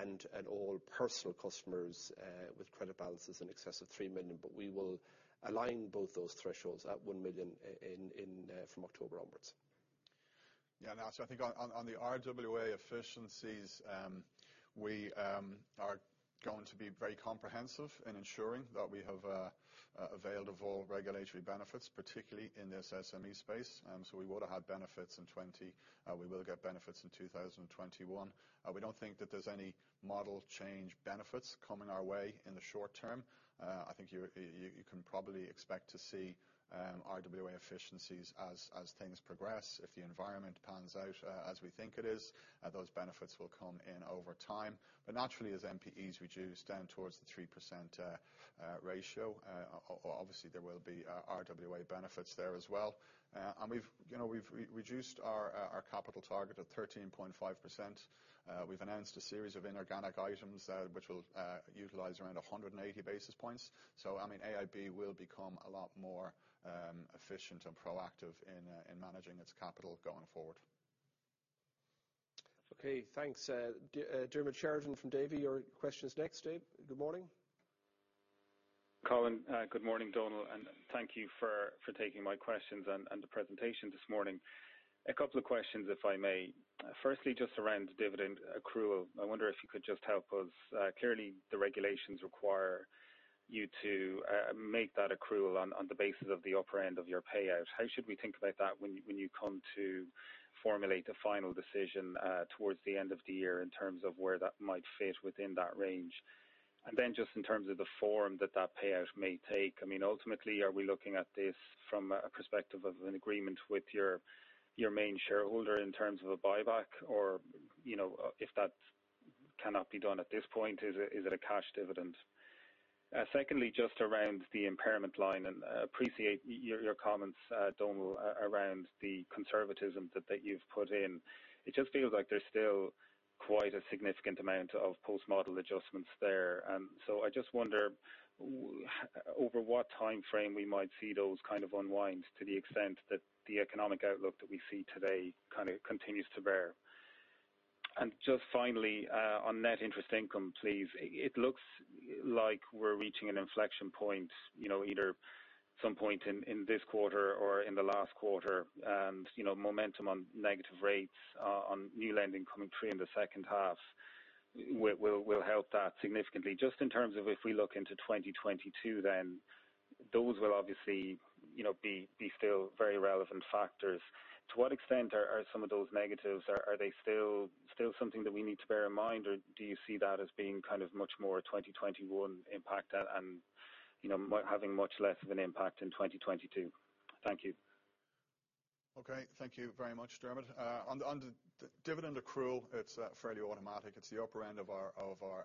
and all personal customers with credit balances in excess of 3 million. We will align both those thresholds at 1 million from October onwards. Yeah, I think on the RWA efficiencies, we are going to be very comprehensive in ensuring that we have availed of all regulatory benefits, particularly in the SME space. We would have had benefits in 2020, we will get benefits in 2021. We don't think that there's any model change benefits coming our way in the short term. I think you can probably expect to see RWA efficiencies as things progress. If the environment pans out as we think it is, those benefits will come in over time. Naturally, as NPEs reduce down towards the 3% ratio, obviously there will be RWA benefits there as well. We've reduced our capital target of 13.5%. We've announced a series of inorganic items, which will utilize around 180 basis points. AIB will become a lot more efficient and proactive in managing its capital going forward. Okay, thanks. Diarmaid Sheridan from Davy, your question is next. Good morning. Colin, good morning, Donal, and thank you for taking my questions and the presentation this morning. A couple of questions, if I may. Firstly, just around dividend accrual, I wonder if you could just help us. Clearly, the regulations require you to make that accrual on the basis of the upper end of your payout. How should we think about that when you come to formulate a final decision towards the end of the year in terms of where that might fit within that range? Then just in terms of the form that that payout may take, ultimately, are we looking at this from a perspective of an agreement with your main shareholder in terms of a buyback, or if that cannot be done at this point, is it a cash dividend? Secondly, just around the impairment line, appreciate your comments, Donal, around the conservatism that you've put in. It just feels like there's still quite a significant amount of post-model adjustments there. I just wonder over what timeframe we might see those kind of unwind to the extent that the economic outlook that we see today kind of continues to bear. Just finally, on net interest income, please. It looks like we're reaching an inflection point, either some point in this quarter or in the last quarter, and momentum on negative rates on new lending coming through in the second half will help that significantly. Just in terms of if we look into 2022, those will obviously be still very relevant factors. To what extent are some of those negatives, are they still something that we need to bear in mind, or do you see that as being kind of much more 2021 impact and having much less of an impact in 2022? Thank you. Okay. Thank you very much, Diarmaid. On the dividend accrual, it's fairly automatic. It's the upper end of our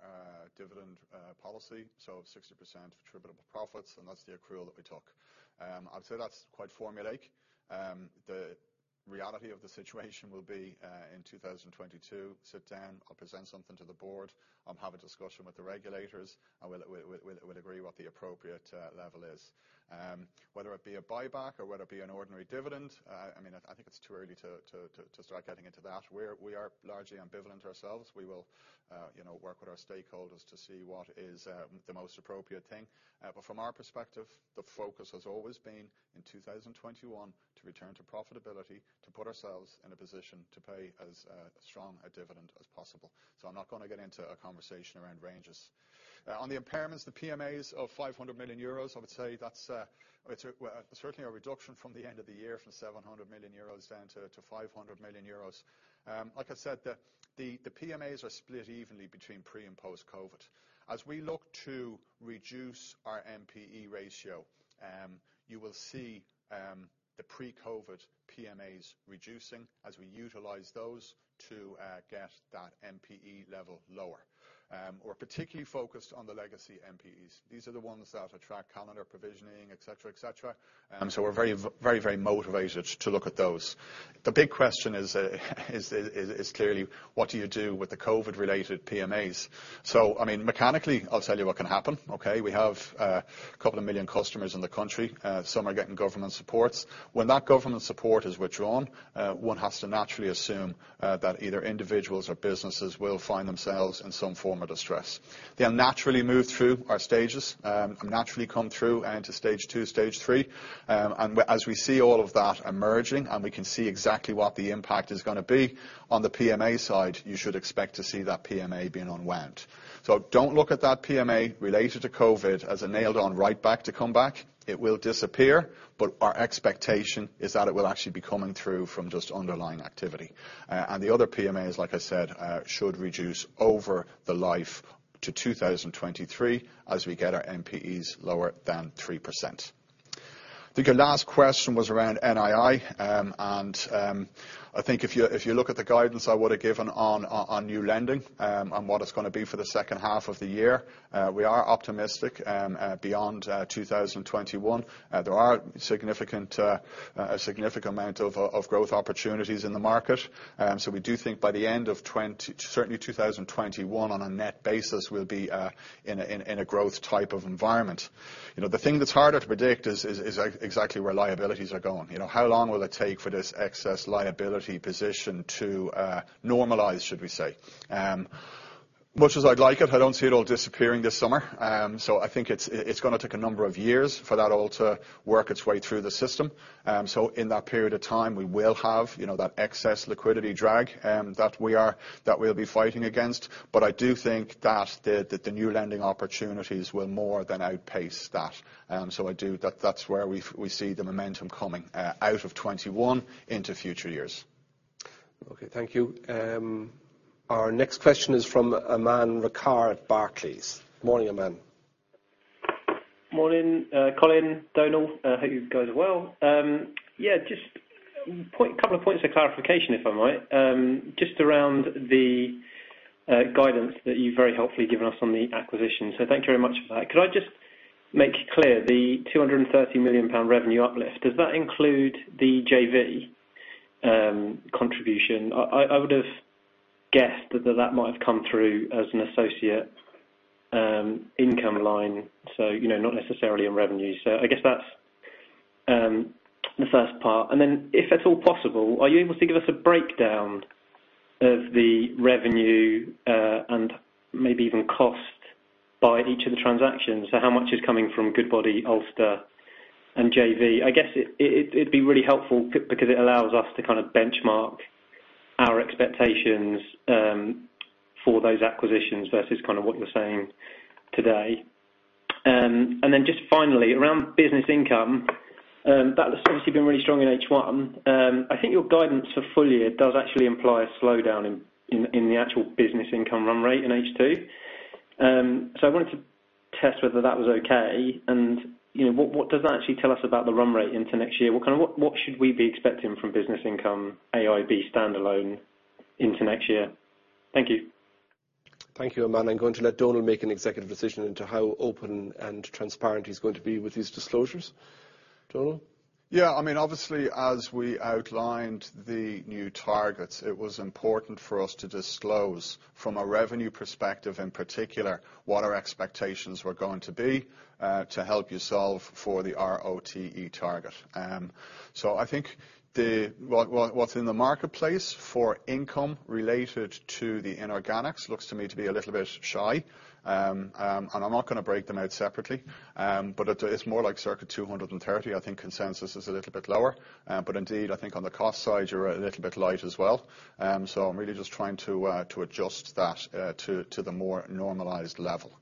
dividend policy, so 60% attributable profits, and that's the accrual that we took. I'd say that's quite formulaic. The reality of the situation will be. In 2022, sit down, I'll present something to the board, have a discussion with the regulators, and we'll agree what the appropriate level is. Whether it be a buyback or whether it be an ordinary dividend, I think it's too early to start getting into that. We are largely ambivalent ourselves. We will work with our stakeholders to see what is the most appropriate thing. From our perspective, the focus has always been in 2021, to return to profitability, to put ourselves in a position to pay as strong a dividend as possible. I'm not going to get into a conversation around ranges. On the impairments, the PMAs of 500 million euros, I would say that's certainly a reduction from the end of the year, from 700 million euros down to 500 million euros. Like I said, the PMAs are split evenly between pre and post-COVID. As we look to reduce our NPE ratio, you will see the pre-COVID PMAs reducing as we utilize those to get that NPE level lower. We're particularly focused on the legacy NPEs. These are the ones that attract calendar provisioning, et cetera. We're very motivated to look at those. The big question is clearly what do you do with the COVID related PMAs? Mechanically, I'll tell you what can happen, okay? We have 2 million customers in the country. Some are getting government supports. When that government support is withdrawn, one has to naturally assume that either individuals or businesses will find themselves in some form of distress. They'll naturally move through our stages, and naturally come through into stage 2, stage 3. As we see all of that emerging, and we can see exactly what the impact is going to be, on the PMA side, you should expect to see that PMA being unwound. Don't look at that PMA related to COVID as a nailed on write-back to come back. It will disappear, but our expectation is that it will actually be coming through from just underlying activity. The other PMAs, like I said, should reduce over the life to 2023 as we get our NPEs lower than 3%. I think your last question was around NII, and I think if you look at the guidance I would have given on new lending, and what it's going to be for the second half of the year, we are optimistic beyond 2021. There are a significant amount of growth opportunities in the market. We do think by the end of certainly 2021, on a net basis, we'll be in a growth type of environment. The thing that's harder to predict is exactly where liabilities are going. How long will it take for this excess liability position to normalize, should we say? Much as I'd like it, I don't see it all disappearing this summer. I think it's going to take a number of years for that all to work its way through the system. In that period of time, we will have that excess liquidity drag that we'll be fighting against. I do think that the new lending opportunities will more than outpace that. That's where we see the momentum coming, out of 2021 into future years. Okay, thank you. Our next question is from Aman Rakkar at Barclays. Morning, Aman. Morning, Colin, Donal. Hope you guys are well. Yeah, just a couple of points of clarification, if I might, just around the guidance that you've very helpfully given us on the acquisition. Thank you very much for that. Could I just make clear, the 230 million pound revenue uplift, does that include the JV contribution? I would've guessed that that might have come through as an associate income line, so not necessarily in revenue. I guess that's the first part. If at all possible, are you able to give us a breakdown of the revenue, and maybe even cost by each of the transactions? How much is coming from Goodbody, Ulster, and JV? I guess it'd be really helpful because it allows us to kind of benchmark our expectations for those acquisitions versus kind of what you're saying today. Then just finally, around business income, that has obviously been really strong in H1. I think your guidance for full year does actually imply a slowdown in the actual business income run rate in H2. I wanted to test whether that was okay. What does that actually tell us about the run rate into next year? What should we be expecting from business income, AIB standalone into next year? Thank you. Thank you, Aman. I'm going to let Donal make an executive decision into how open and transparent he's going to be with these disclosures. Donal? Yeah, obviously as we outlined the new targets, it was important for us to disclose from a revenue perspective in particular, what our expectations were going to be, to help you solve for the ROTE target. I think what's in the marketplace for income related to the inorganics looks to me to be a little bit shy. I am not going to break them out separately. It is more like circa 230. I think consensus is a little bit lower. Indeed, I think on the cost side, you are a little bit light as well. I am really just trying to adjust that to the more normalized level.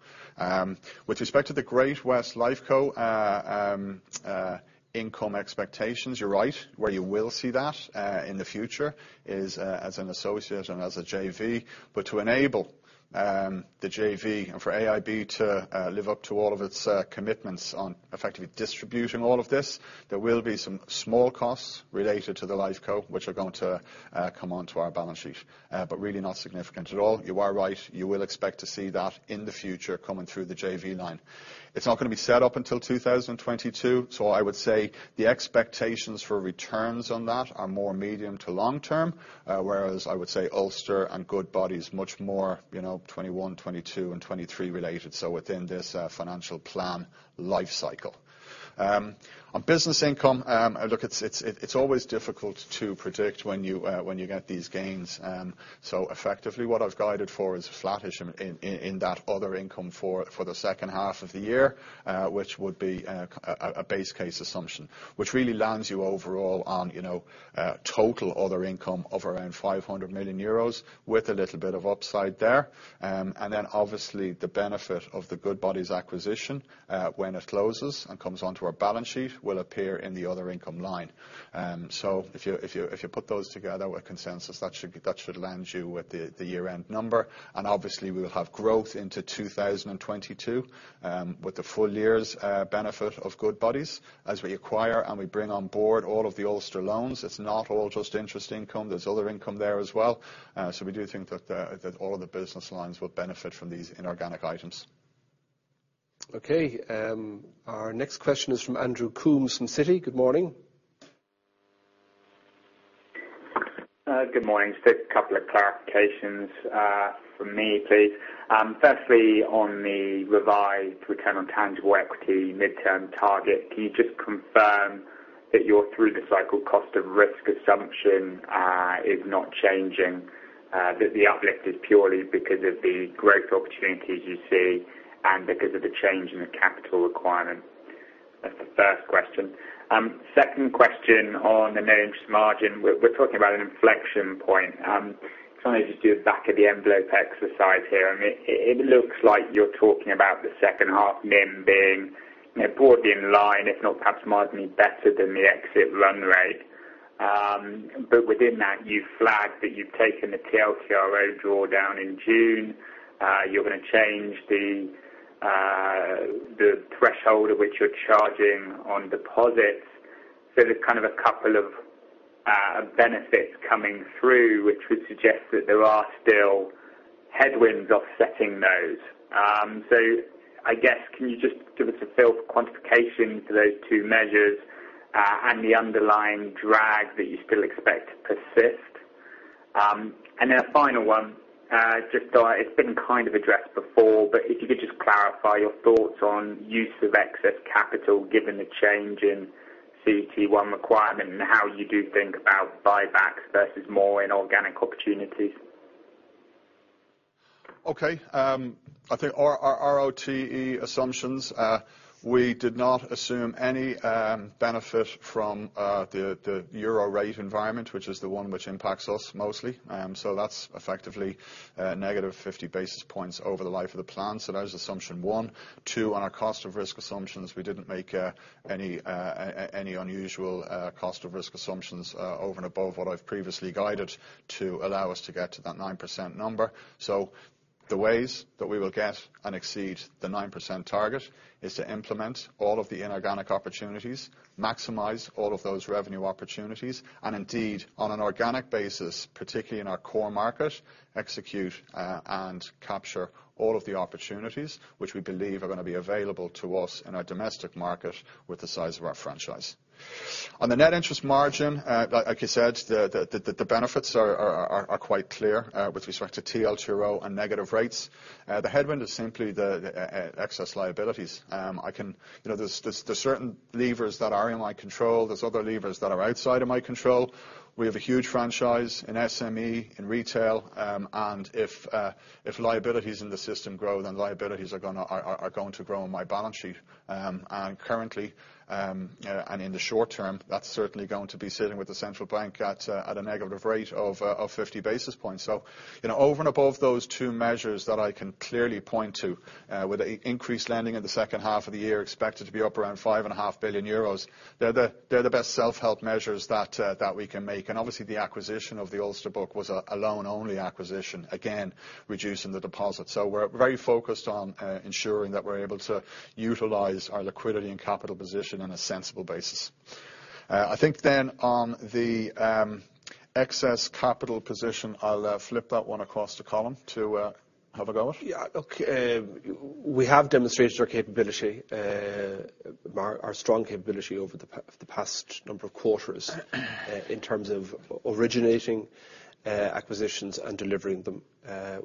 With respect to the Great-West Lifeco income expectations, you are right. Where you will see that in the future is as an associate and as a JV. To enable the JV and for AIB to live up to all of its commitments on effectively distributing all of this, there will be some small costs related to the Lifeco, which are going to come onto our balance sheet. Really not significant at all. You are right, you will expect to see that in the future coming through the JV line. It's not going to be set up until 2022, so I would say the expectations for returns on that are more medium to long term. Whereas I would say Ulster and Goodbody is much more 2021, 2022, and 2023 related, so within this financial plan life cycle. On business income, look, it is always difficult to predict when you get these gains. Effectively, what I have guided for is flattish in that other income for the second half of the year, which would be a base case assumption, which really lands you overall on total other income of around 500 million euros with a little bit of upside there. Obviously, the benefit of the Goodbody's acquisition, when it closes and comes onto our balance sheet, will appear in the other income line. If you put those together with consensus, that should land you with the year-end number. Obviously, we will have growth into 2022, with the full year's benefit of Goodbody as we acquire and we bring on board all of the Ulster loans. It is not all just interest income, there is other income there as well. We do think that all of the business lines will benefit from these inorganic items. Okay. Our next question is from Andrew Coombs from Citi. Good morning. Good morning. A couple of clarifications from me, please. Firstly, on the revised return on tangible equity midterm target, can you just confirm that your through-the-cycle cost of risk assumption is not changing, that the uplift is purely because of the growth opportunities you see and because of the change in the capital requirement? That's the first question. Second question on the net interest margin, we're talking about an inflection point. Trying to just do a back-of-the-envelope exercise here. It looks like you're talking about the second half NIM being broadly in line, if not perhaps marginally better than the exit run rate. Within that, you flagged that you've taken the TLTRO drawdown in June. You're going to change the threshold at which you're charging on deposits. There's kind of a couple of benefits coming through, which would suggest that there are still headwinds offsetting those. I guess, can you just give us a feel for quantification for those two measures, and the underlying drag that you still expect to persist? A final one, it's been kind of addressed before, but if you could just clarify your thoughts on use of excess capital given the change in CET1 requirement and how you do think about buybacks versus more inorganic opportunities? I think our ROTE assumptions, we did not assume any benefit from the euro rate environment, which is the one which impacts us mostly. That's effectively -50 basis points over the life of the plan. That is assumption, one. Two, on our cost of risk assumptions, we didn't make any unusual cost of risk assumptions over and above what I've previously guided to allow us to get to that 9% number. The ways that we will get and exceed the 9% target is to implement all of the inorganic opportunities, maximize all of those revenue opportunities, and indeed, on an organic basis, particularly in our core market, execute and capture all of the opportunities which we believe are going to be available to us in our domestic market with the size of our franchise. On the net interest margin, like you said, the benefits are quite clear with respect to TLTRO and negative rates. The headwind is simply the excess liabilities. There's certain levers that are in my control. There's other levers that are outside of my control. We have a huge franchise in SME, in retail, and if liabilities in the system grow, then liabilities are going to grow on my balance sheet. Currently, and in the short term, that's certainly going to be sitting with the central bank at a negative rate of 50 basis points. Over and above those two measures that I can clearly point to, with increased lending in the second half of the year expected to be up around 5.5 billion euros, they're the best self-help measures that we can make. Obviously the acquisition of the Ulster Bank was a loan-only acquisition, again, reducing the deposit. We're very focused on ensuring that we're able to utilize our liquidity and capital position on a sensible basis. I think on the excess capital position, I'll flip that one across to Colin to have a go at. Yeah. We have demonstrated our strong capability over the past number of quarters in terms of originating acquisitions and delivering them.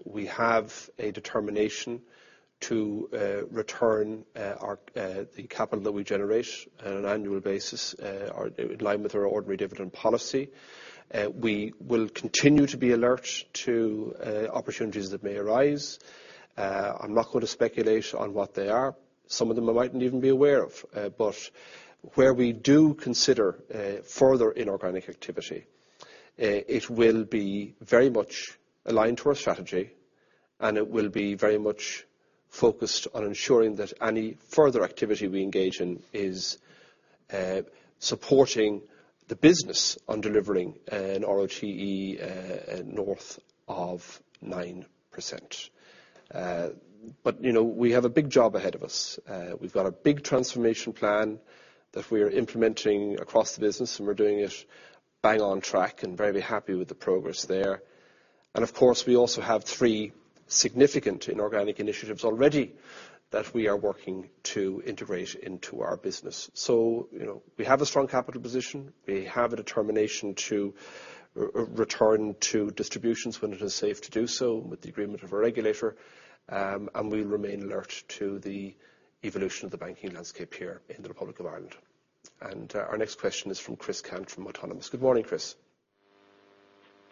We have a determination to return the capital that we generate on an annual basis in line with our ordinary dividend policy. We will continue to be alert to opportunities that may arise. I'm not going to speculate on what they are. Some of them I mightn't even be aware of. Where we do consider further inorganic activity, it will be very much aligned to our strategy, and it will be very much focused on ensuring that any further activity we engage in is supporting the business on delivering an ROTE north of 9%. We have a big job ahead of us. We've got a big transformation plan that we're implementing across the business, and we're doing it bang on track and very happy with the progress there. Of course, we also have three significant inorganic initiatives already that we are working to integrate into our business. We have a strong capital position. We have a determination to return to distributions when it is safe to do so with the agreement of our regulator, and we'll remain alert to the evolution of the banking landscape here in the Republic of Ireland. Our next question is from Chris Cant from Autonomous Research. Good morning, Christopher.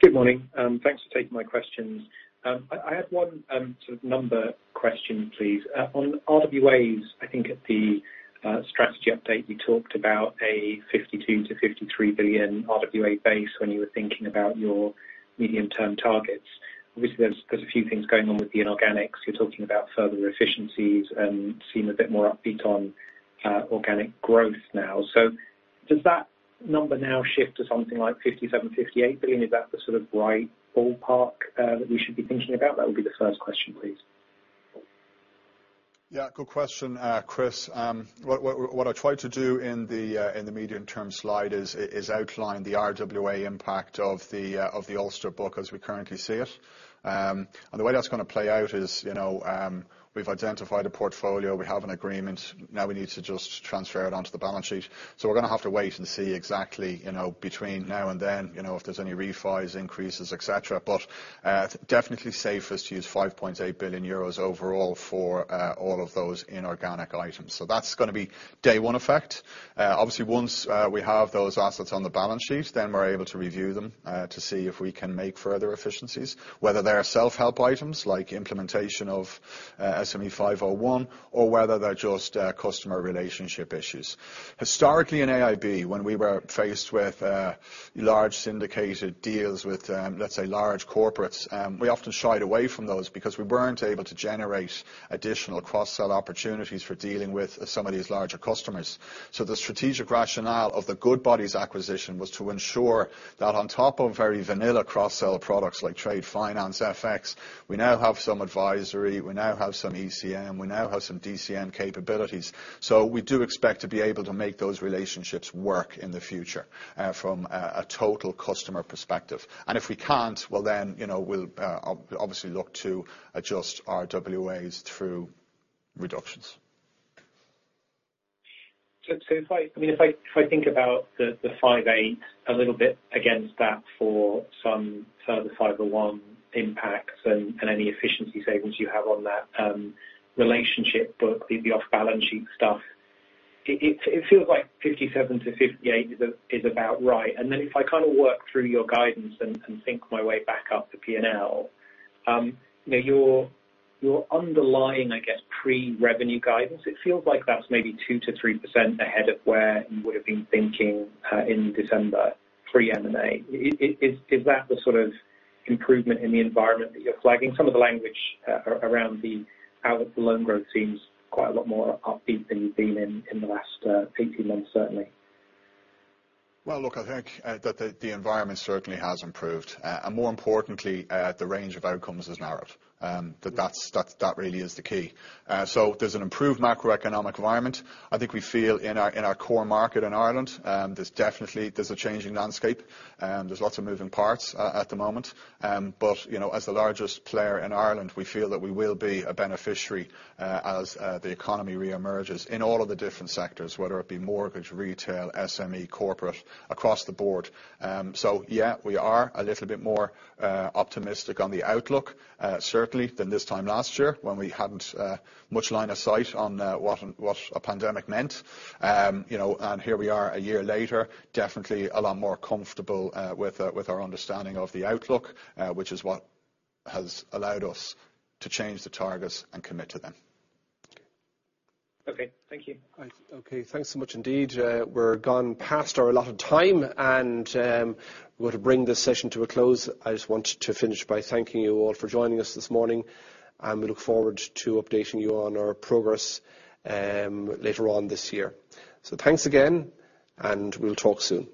Good morning. Thanks for taking my questions. I had one sort of number question, please. On RWAs, I think at the strategy update, you talked about a 52 billion-53 billion RWA base when you were thinking about your medium-term targets. Obviously, there's a few things going on with the inorganics. You're talking about further efficiencies and seem a bit more upbeat on organic growth now. Does that number now shift to something like 57 billion, 58 billion? Is that the sort of right ballpark that we should be thinking about? That would be the first question, please. Yeah, good question, Chris. What I tried to do in the medium-term slide is outline the RWA impact of the Ulster book as we currently see it. The way that's going to play out is, we've identified a portfolio, we have an agreement. Now we need to just transfer it onto the balance sheet. We're going to have to wait and see exactly, between now and then, if there's any refis, increases, et cetera. Definitely safest to use 5.8 billion euros overall for all of those inorganic items. That's gonna be day one effect. Obviously, once we have those assets on the balance sheet, then we're able to review them, to see if we can make further efficiencies, whether they are self-help items like implementation of SME 501, or whether they're just customer relationship issues. Historically, in AIB, when we were faced with large syndicated deals with, let's say, large corporates, we often shied away from those because we weren't able to generate additional cross-sell opportunities for dealing with some of these larger customers. The strategic rationale of the Goodbody acquisition was to ensure that on top of very vanilla cross-sell products like trade finance, FX, we now have some advisory, we now have some ECM, we now have some DCM capabilities. We do expect to be able to make those relationships work in the future, from a total customer perspective. If we can't, well, then, we'll obviously look to adjust RWAs through reductions. If I think about the five, eight, a little bit against that for some further 501 impacts and any efficiency savings you have on that relationship book, the off-balance-sheet stuff, it feels like 57 billion, 58 billion is about right. If I kind of work through your guidance and think my way back up to P&L. Your underlying, I guess, pre-revenue guidance, it feels like that's maybe 2%-3% ahead of where you would've been thinking in December pre-M&A. Is that the sort of improvement in the environment that you're flagging? Some of the language around the outlook for loan growth seems quite a lot more upbeat than you've been in the last 18 months certainly. Well, look, I think that the environment certainly has improved. More importantly, the range of outcomes has narrowed. That really is the key. There's an improved macroeconomic environment. I think we feel in our core market in Ireland, there's definitely a changing landscape. There's lots of moving parts at the moment. As the largest player in Ireland, we feel that we will be a beneficiary as the economy re-emerges in all of the different sectors, whether it be mortgage, retail, SME, corporate, across the board. Yeah, we are a little bit more optimistic on the outlook, certainly than this time last year when we hadn't much line of sight on what a pandemic meant. Here we are a year later, definitely a lot more comfortable with our understanding of the outlook, which is what has allowed us to change the targets and commit to them. Okay. Thank you. Okay. Thanks so much indeed. We're gone past our allotted time, and we ought to bring this session to a close. I just want to finish by thanking you all for joining us this morning, and we look forward to updating you on our progress later on this year. Thanks again, and we'll talk soon.